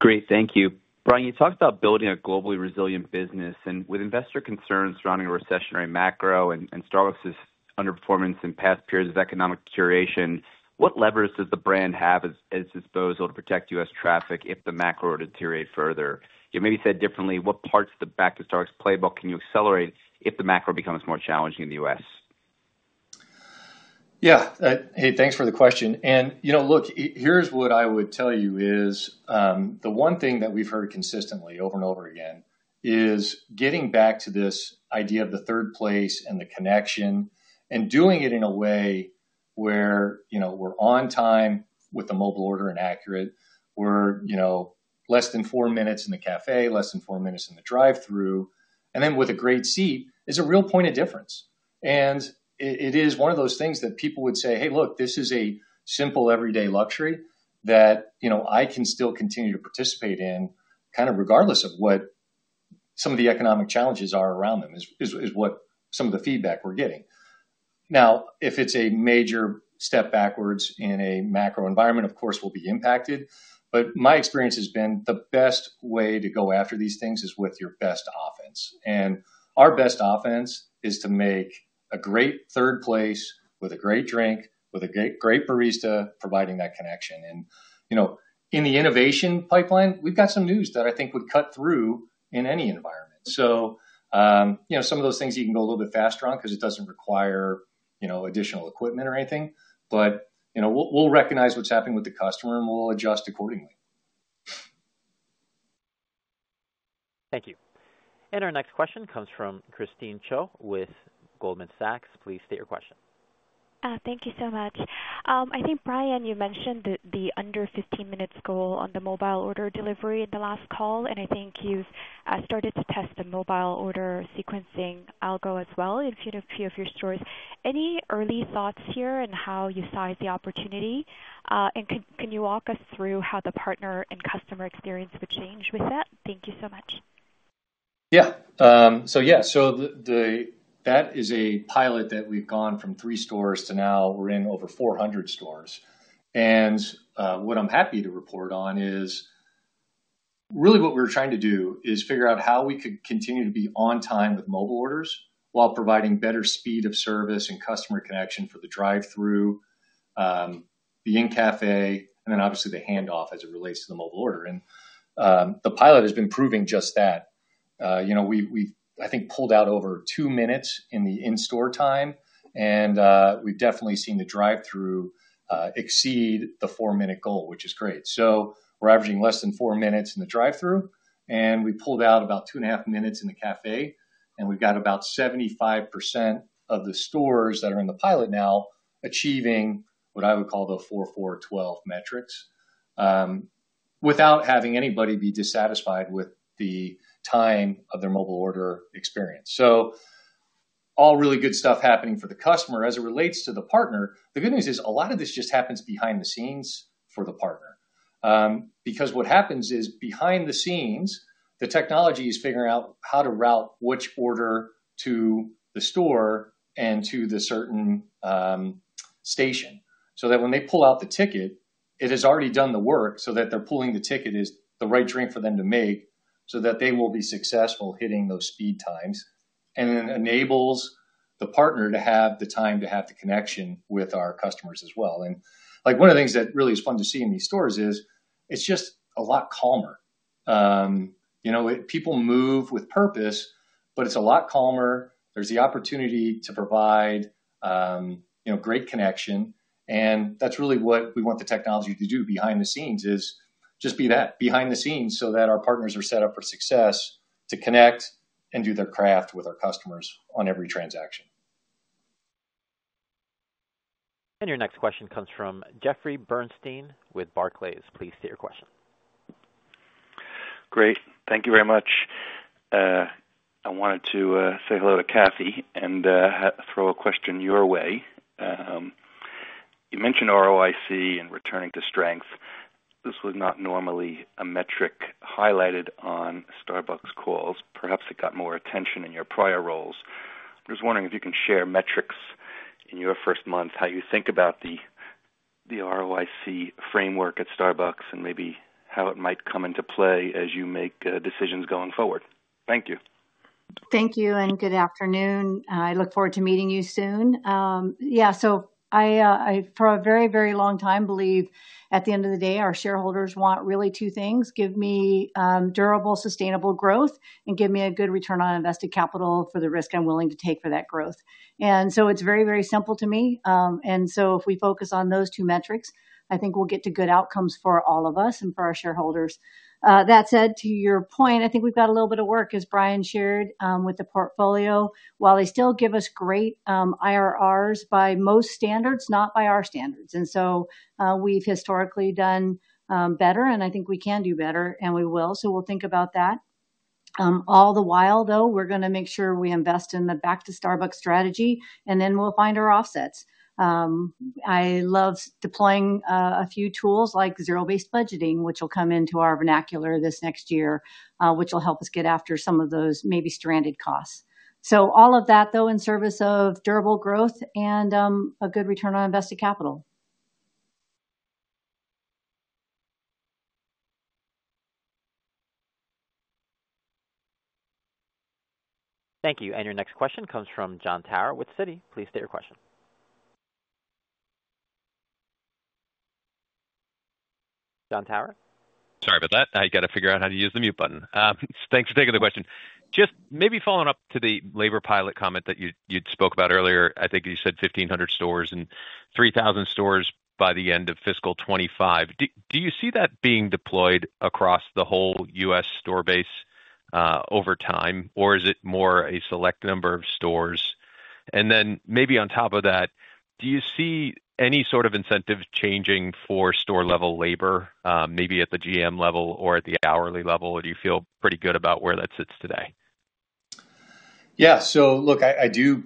Great. Thank you. Brian, you talked about building a globally resilient business. With investor concerns surrounding a recessionary macro and Starbucks's underperformance in past periods of economic deterioration, what levers does the brand have at its disposal to protect U.S. traffic if the macro deteriorates further? You maybe said differently, what parts of the Back-to-Starbucks playbook can you accelerate if the macro becomes more challenging in the U.S.? Yeah. Hey, thanks for the question. Look, here's what I would tell you is the one thing that we've heard consistently over and over again is getting back to this idea of the third place and the connection and doing it in a way where we're on time with the mobile order and accurate. We're less than four minutes in the cafe, less than four minutes in the drive-thru, and then with a great seat is a real point of difference. It is one of those things that people would say, "Hey, look, this is a simple everyday luxury that I can still continue to participate in kind of regardless of what some of the economic challenges are around them," is what some of the feedback we're getting. If it's a major step backwards in a macro environment, of course, we'll be impacted. My experience has been the best way to go after these things is with your best offense. Our best offense is to make a great third place with a great drink, with a great barista, providing that connection. In the innovation pipeline, we've got some news that I think would cut through in any environment. Some of those things you can go a little bit faster on because it doesn't require additional equipment or anything. We'll recognize what's happening with the customer, and we'll adjust accordingly. Thank you. Our next question comes from Christine Cho with Goldman Sachs. Please state your question. Thank you so much. I think, Brian, you mentioned the under 15-minute goal on the mobile order delivery in the last call. I think you've started to test the mobile order sequencing algo as well in a few of your stores. Any early thoughts here on how you sized the opportunity? Can you walk us through how the partner and customer experience would change with that? Thank you so much. Yeah. That is a pilot that we've gone from three stores to now we're in over 400 stores. What I'm happy to report on is really what we're trying to do is figure out how we could continue to be on time with mobile orders while providing better speed of service and customer connection for the drive-through, the in-cafe, and then obviously the handoff as it relates to the mobile order. The pilot has been proving just that. We've, I think, pulled out over two minutes in the in-store time. We've definitely seen the drive-thru exceed the four-minute goal, which is great. We're averaging less than four minutes in the drive-thru. We pulled out about two and a half minutes in the cafe. We've got about 75% of the stores that are in the pilot now achieving what I would call the 4-4-12 metrics without having anybody be dissatisfied with the time of their mobile order experience. All really good stuff happening for the customer as it relates to the partner. The good news is a lot of this just happens behind the scenes for the partner. Because what happens is behind the scenes, the technology is figuring out how to route which order to the store and to the certain station so that when they pull out the ticket, it has already done the work so that they're pulling the ticket as the right drink for them to make so that they will be successful hitting those speed times and then enables the partner to have the time to have the connection with our customers as well. One of the things that really is fun to see in these stores is it's just a lot calmer. People move with purpose, but it's a lot calmer. There's the opportunity to provide great connection. That is really what we want the technology to do behind the scenes, just be that behind the scenes so that our partners are set up for success to connect and do their craft with our customers on every transaction. Your next question comes from Jeffrey Bernstein with Barclays. Please state your question. Great. Thank you very much. I wanted to say hello to Cathy and throw a question your way. You mentioned ROIC and returning to strength. This was not normally a metric highlighted on Starbucks calls. Perhaps it got more attention in your prior roles. I am just wondering if you can share metrics in your first month, how you think about the ROIC framework at Starbucks and maybe how it might come into play as you make decisions going forward. Thank you. Thank you and good afternoon. I look forward to meeting you soon. Yeah. For a very, very long time, I believe at the end of the day, our shareholders want really two things: give me durable, sustainable growth and give me a good return on invested capital for the risk I'm willing to take for that growth. It is very, very simple to me. If we focus on those two metrics, I think we'll get to good outcomes for all of us and for our shareholders. That said, to your point, I think we've got a little bit of work, as Brian shared, with the portfolio. While they still give us great IRRs by most standards, not by our standards. We have historically done better, and I think we can do better, and we will. We will think about that. All the while, though, we're going to make sure we invest in the Back-to-Starbucks strategy, and then we'll find our offsets. I love deploying a few tools like zero-based budgeting, which will come into our vernacular this next year, which will help us get after some of those maybe stranded costs. All of that, though, in service of durable growth and a good return on invested capital. Thank you. Your next question comes from Jon Tower with Citi. Please state your question. Jon Tower? Sorry about that. I got to figure out how to use the mute button. Thanks for taking the question. Just maybe following up to the labor pilot comment that you'd spoke about earlier, I think you said 1,500 stores and 3,000 stores by the end of fiscal 2025. Do you see that being deployed across the whole U.S. store base over time, or is it more a select number of stores? Maybe on top of that, do you see any sort of incentive changing for store-level labor, maybe at the GM level or at the hourly level? Do you feel pretty good about where that sits today? Yeah. Look, I do,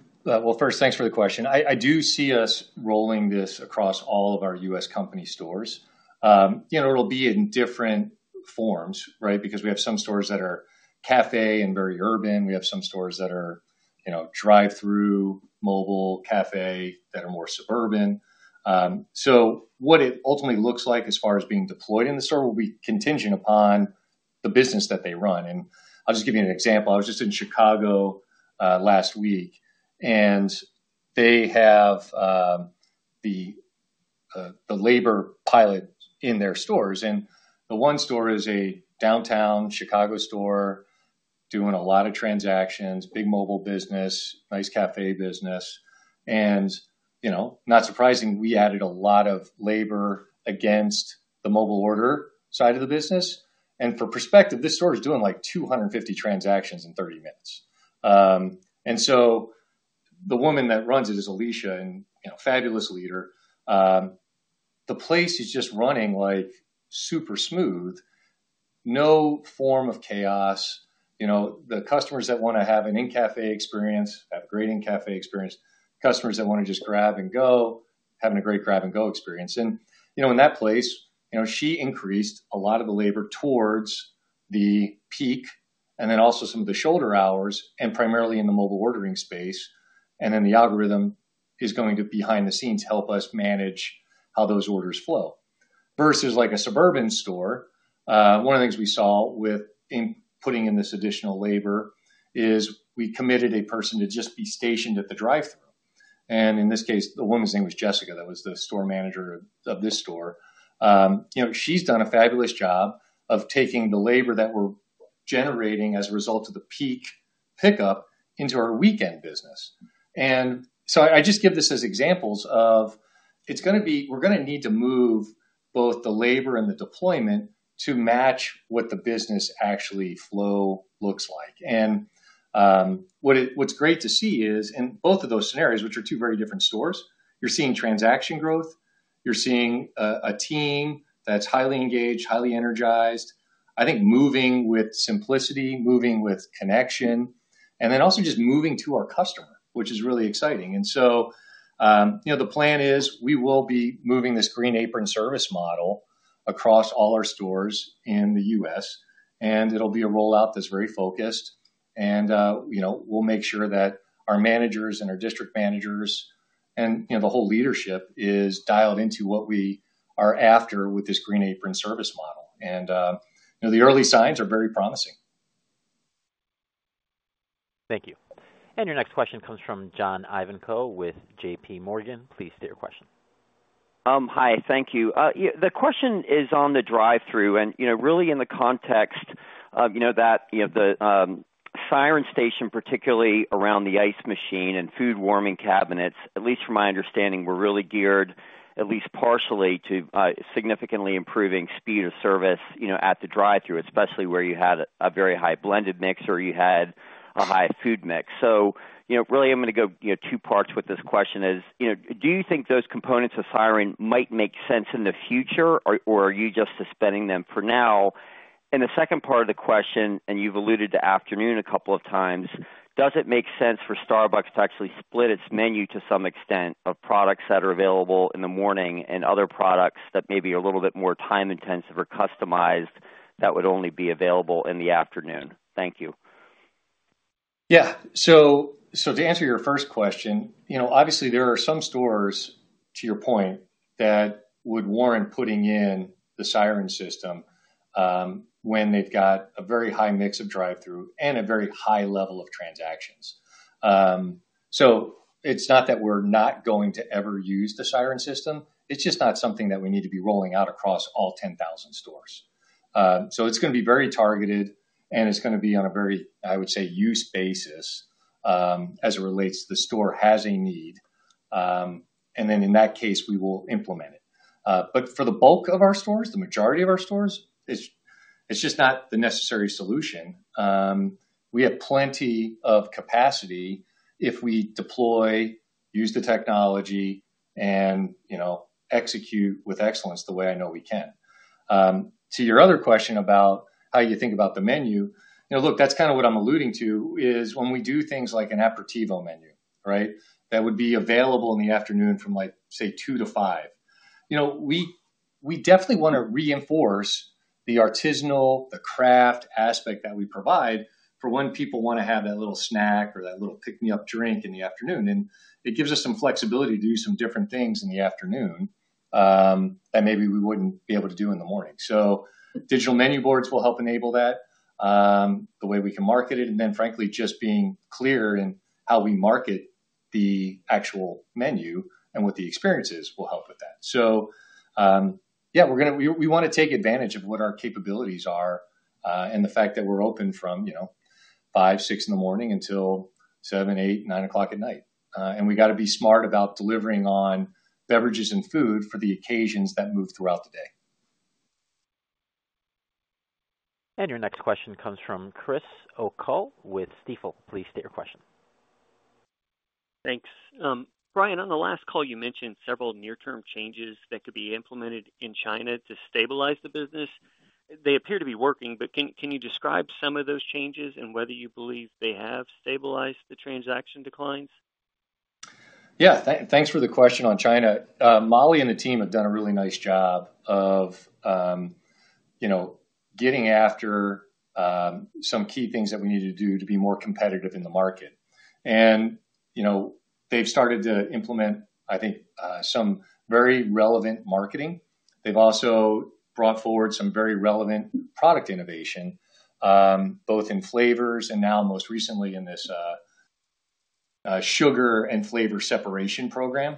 first, thanks for the question. I do see us rolling this across all of our U.S. company stores. It'll be in different forms, right, because we have some stores that are cafe and very urban. We have some stores that are drive-thru, mobile, cafe that are more suburban. What it ultimately looks like as far as being deployed in the store will be contingent upon the business that they run. I'll just give you an example. I was just in Chicago last week, and they have the labor pilot in their stores. The one store is a downtown Chicago store doing a lot of transactions, big mobile business, nice cafe business. Not surprising, we added a lot of labor against the mobile order side of the business. For perspective, this store is doing like 250 transactions in 30 minutes. The woman that runs it is Alicia and fabulous leader. The place is just running super smooth, no form of chaos. The customers that want to have an in-cafe experience have a great in-cafe experience. Customers that want to just grab and go have a great grab-and-go experience. In that place, she increased a lot of the labor towards the peak and then also some of the shoulder hours and primarily in the mobile ordering space. The algorithm is going to behind the scenes help us manage how those orders flow. Versus a suburban store, one of the things we saw with putting in this additional labor is we committed a person to just be stationed at the drive-thru. In this case, the woman's name was Jessica. That was the store manager of this store. She's done a fabulous job of taking the labor that we're generating as a result of the peak pickup into our weekend business. I just give this as examples of it's going to be we're going to need to move both the labor and the deployment to match what the business actually flow looks like. What's great to see is in both of those scenarios, which are two very different stores, you're seeing transaction growth. You're seeing a team that's highly engaged, highly energized, I think moving with simplicity, moving with connection, and also just moving to our customer, which is really exciting. The plan is we will be moving this Green Apron Service Model across all our stores in the U.S. It'll be a rollout that's very focused. We'll make sure that our managers and our district managers and the whole leadership is dialed into what we are after with this Green Apron Service Model. The early signs are very promising. Thank you. Your next question comes from John Ivankoe with JP Morgan. Please state your question. Hi. Thank you. The question is on the drive-thru. Really in the context that the Siren Station, particularly around the ice machine and food warming cabinets, at least from my understanding, were really geared at least partially to significantly improving speed of service at the drive-thru, especially where you had a very high blended mix or you had a high food mix. I am going to go two parts with this question. Do you think those components of Siren might make sense in the future, or are you just suspending them for now? The second part of the question, and you've alluded to afternoon a couple of times, does it make sense for Starbucks to actually split its menu to some extent of products that are available in the morning and other products that maybe are a little bit more time-intensive or customized that would only be available in the afternoon? Thank you. Yeah. To answer your first question, obviously, there are some stores, to your point, that would warrant putting in the Siren System when they've got a very high mix of drive-thru and a very high level of transactions. It's not that we're not going to ever use the Siren System. It's just not something that we need to be rolling out across all 10,000 stores. It's going to be very targeted, and it's going to be on a very, I would say, use basis as it relates to the store has a need. In that case, we will implement it. For the bulk of our stores, the majority of our stores, it's just not the necessary solution. We have plenty of capacity if we deploy, use the technology, and execute with excellence the way I know we can. To your other question about how you think about the menu, look, that's kind of what I'm alluding to is when we do things like an aperitivo menu, right, that would be available in the afternoon from, say, 2:00 P.M. to 5:00 P.M. We definitely want to reinforce the artisanal, the craft aspect that we provide for when people want to have that little snack or that little pick-me-up drink in the afternoon. It gives us some flexibility to do some different things in the afternoon that maybe we wouldn't be able to do in the morning. Digital menu boards will help enable that, the way we can market it. Frankly, just being clear in how we market the actual menu and what the experience is will help with that. Yeah, we want to take advantage of what our capabilities are and the fact that we're open from 5:00, 6:00 in the morning until 7:00, 8:00, 9:00 at night. We got to be smart about delivering on beverages and food for the occasions that move throughout the day. Your next question comes from Chris O'Cull with Stifel. Please state your question. Thanks. Brian, on the last call, you mentioned several near-term changes that could be implemented in China to stabilize the business. They appear to be working, but can you describe some of those changes and whether you believe they have stabilized the transaction declines? Yeah. Thanks for the question on China. Molly and the team have done a really nice job of getting after some key things that we need to do to be more competitive in the market. They've started to implement, I think, some very relevant marketing. They've also brought forward some very relevant product innovation, both in flavors and now, most recently, in this sugar and flavor separation program,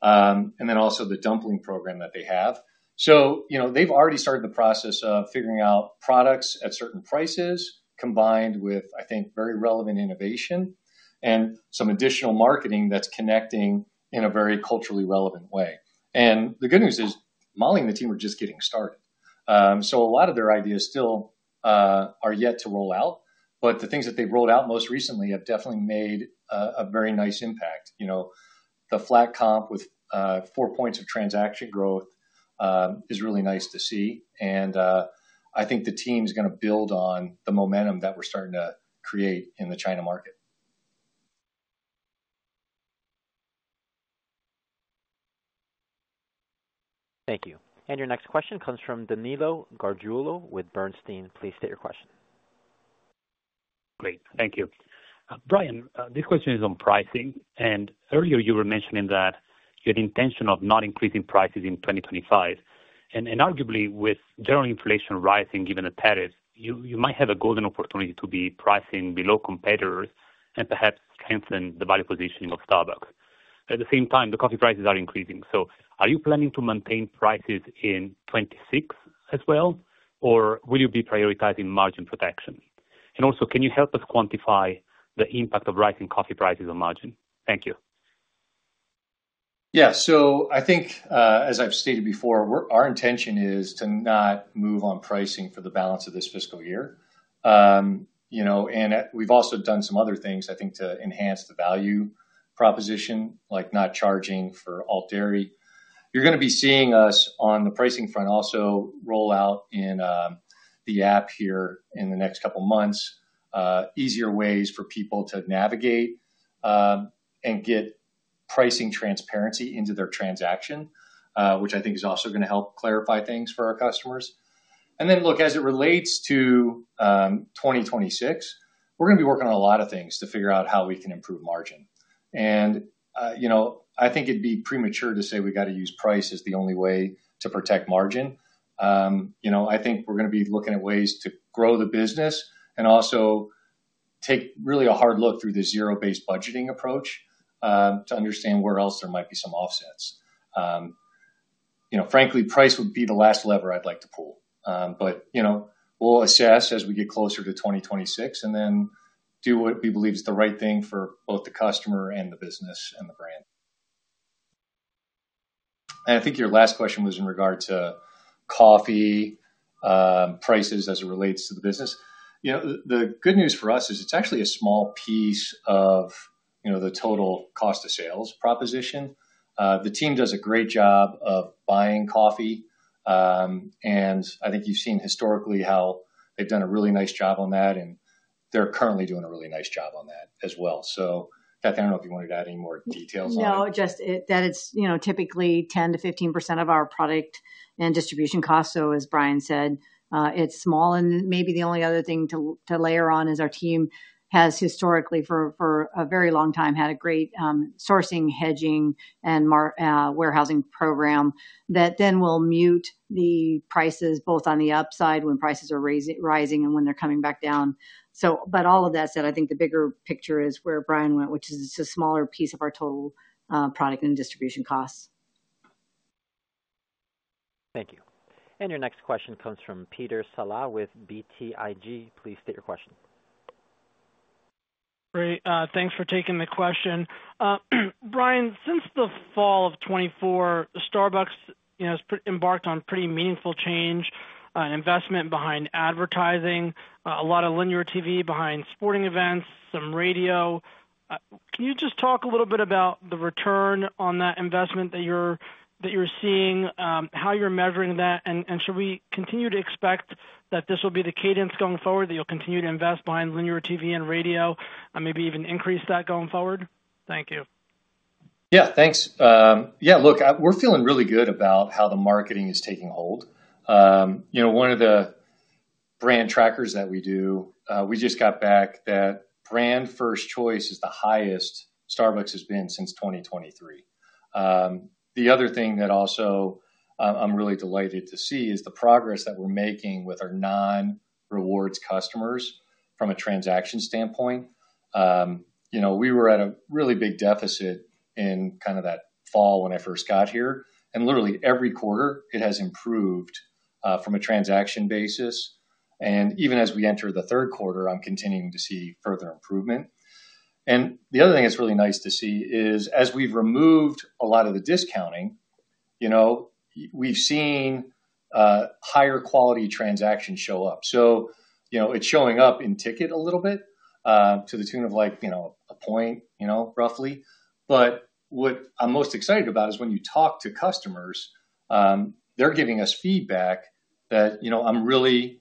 and also the dumpling program that they have. They've already started the process of figuring out products at certain prices combined with, I think, very relevant innovation and some additional marketing that's connecting in a very culturally relevant way. The good news is Molly and the team are just getting started. A lot of their ideas still are yet to roll out, but the things that they've rolled out most recently have definitely made a very nice impact. The flat comp with four points of transaction growth is really nice to see. I think the team is going to build on the momentum that we're starting to create in the China market. Thank you. Your next question comes from Danilo Gargiulo with Bernstein. Please state your question. Great. Thank you. Brian, this question is on pricing. Earlier, you were mentioning that your intention of not increasing prices in 2025. Arguably, with general inflation rising given the tariffs, you might have a golden opportunity to be pricing below competitors and perhaps strengthen the value positioning of Starbucks. At the same time, the coffee prices are increasing. Are you planning to maintain prices in 2026 as well, or will you be prioritizing margin protection? Also, can you help us quantify the impact of rising coffee prices on margin? Thank you. Yeah. I think, as I've stated before, our intention is to not move on pricing for the balance of this fiscal year. We've also done some other things, I think, to enhance the value proposition, like not charging for all dairy. You're going to be seeing us on the pricing front also roll out in the app here in the next couple of months, easier ways for people to navigate and get pricing transparency into their transaction, which I think is also going to help clarify things for our customers. As it relates to 2026, we're going to be working on a lot of things to figure out how we can improve margin. I think it'd be premature to say we got to use price as the only way to protect margin. I think we're going to be looking at ways to grow the business and also take really a hard look through the zero-based budgeting approach to understand where else there might be some offsets. Frankly, price would be the last lever I'd like to pull. We'll assess as we get closer to 2026 and then do what we believe is the right thing for both the customer and the business and the brand. I think your last question was in regard to coffee prices as it relates to the business. The good news for us is it's actually a small piece of the total cost of sales proposition. The team does a great job of buying coffee. I think you've seen historically how they've done a really nice job on that. They're currently doing a really nice job on that as well. Cathy, I do not know if you wanted to add any more details on that. No, just that it is typically 10%-15% of our product and distribution costs. As Brian said, it is small. Maybe the only other thing to layer on is our team has historically, for a very long time, had a great sourcing, hedging, and warehousing program that then will mute the prices both on the upside when prices are rising and when they are coming back down. All of that said, I think the bigger picture is where Brian went, which is a smaller piece of our total product and distribution costs. Thank you. Your next question comes from Peter Saleh with BTIG. Please state your question. Great. Thanks for taking the question. Brian, since the fall of 2024, Starbucks has embarked on pretty meaningful change, an investment behind advertising, a lot of linear TV behind sporting events, some radio. Can you just talk a little bit about the return on that investment that you're seeing, how you're measuring that? Should we continue to expect that this will be the cadence going forward, that you'll continue to invest behind linear TV and radio, maybe even increase that going forward? Thank you. Yeah. Thanks. Yeah. Look, we're feeling really good about how the marketing is taking hold. One of the brand trackers that we do, we just got back that Brand First Choice is the highest Starbucks has been since 2023. The other thing that also I'm really delighted to see is the progress that we're making with our non-rewards customers from a transaction standpoint. We were at a really big deficit in kind of that fall when I first got here. Literally, every quarter, it has improved from a transaction basis. Even as we enter the third quarter, I'm continuing to see further improvement. The other thing that's really nice to see is as we've removed a lot of the discounting, we've seen higher quality transactions show up. It's showing up in ticket a little bit to the tune of a point, roughly. What I'm most excited about is when you talk to customers, they're giving us feedback that I'm really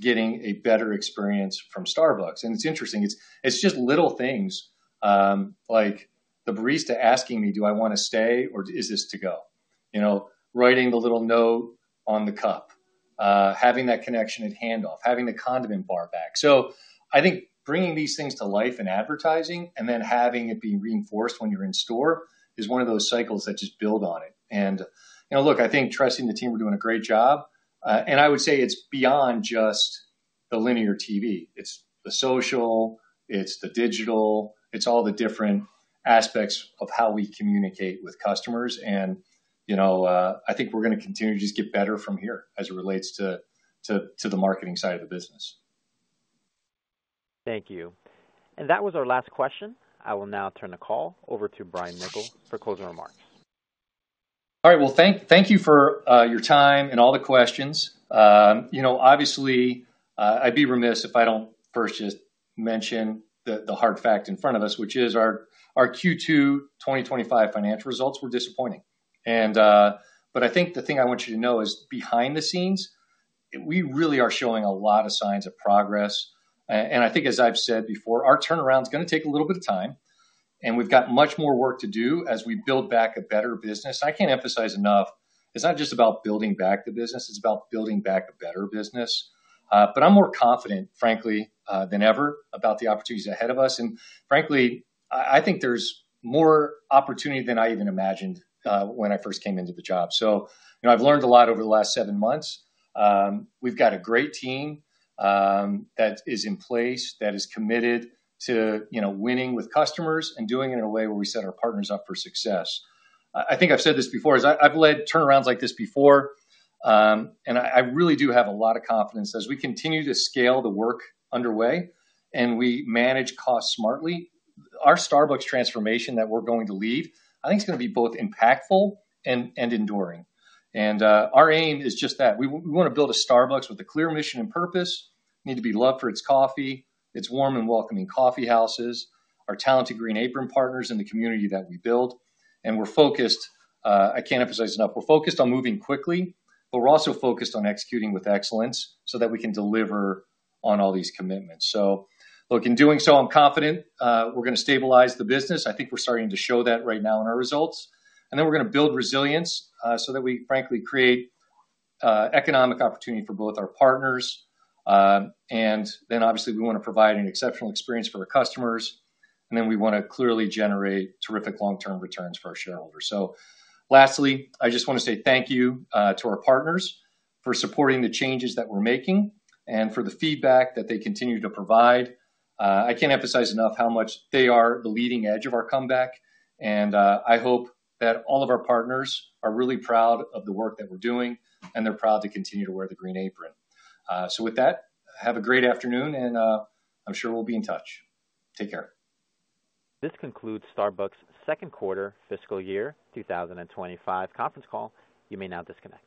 getting a better experience from Starbucks. It's interesting. It's just little things like the barista asking me, "Do I want to stay, or is this to go?" Writing the little note on the cup, having that connection at handoff, having the condiment bar back. I think bringing these things to life in advertising and then having it be reinforced when you're in store is one of those cycles that just build on it. Look, I think trusting the team, we're doing a great job. I would say it's beyond just the linear TV. It's the social. It's the digital. It's all the different aspects of how we communicate with customers. I think we're going to continue to just get better from here as it relates to the marketing side of the business. Thank you. That was our last question. I will now turn the call over to Brian Niccol for closing remarks. All right. Thank you for your time and all the questions. Obviously, I'd be remiss if I don't first just mention the hard fact in front of us, which is our Q2 2025 financial results were disappointing. I think the thing I want you to know is behind the scenes, we really are showing a lot of signs of progress. I think, as I've said before, our turnaround is going to take a little bit of time. We've got much more work to do as we build back a better business. I can't emphasize enough, it's not just about building back the business. It's about building back a better business. I'm more confident, frankly, than ever about the opportunities ahead of us. Frankly, I think there's more opportunity than I even imagined when I first came into the job. I've learned a lot over the last seven months. We've got a great team that is in place that is committed to winning with customers and doing it in a way where we set our partners up for success. I think I've said this before. I've led turnarounds like this before. I really do have a lot of confidence as we continue to scale the work underway and we manage costs smartly. Our Starbucks transformation that we're going to lead, I think it's going to be both impactful and enduring. Our aim is just that. We want to build a Starbucks with a clear mission and purpose, need to be loved for its coffee, its warm and welcoming coffeehouses, our talented green apron partners in the community that we build. We're focused—I can't emphasize enough—we're focused on moving quickly, but we're also focused on executing with excellence so that we can deliver on all these commitments. Look, in doing so, I'm confident we're going to stabilize the business. I think we're starting to show that right now in our results. We're going to build resilience so that we, frankly, create economic opportunity for both our partners. Obviously, we want to provide an exceptional experience for our customers. We want to clearly generate terrific long-term returns for our shareholders. Lastly, I just want to say thank you to our partners for supporting the changes that we're making and for the feedback that they continue to provide. I can't emphasize enough how much they are the leading edge of our comeback. I hope that all of our partners are really proud of the work that we're doing, and they're proud to continue to wear the green apron. With that, have a great afternoon, and I'm sure we'll be in touch. Take care. This concludes Starbucks' second quarter fiscal year 2025 conference call. You may now disconnect.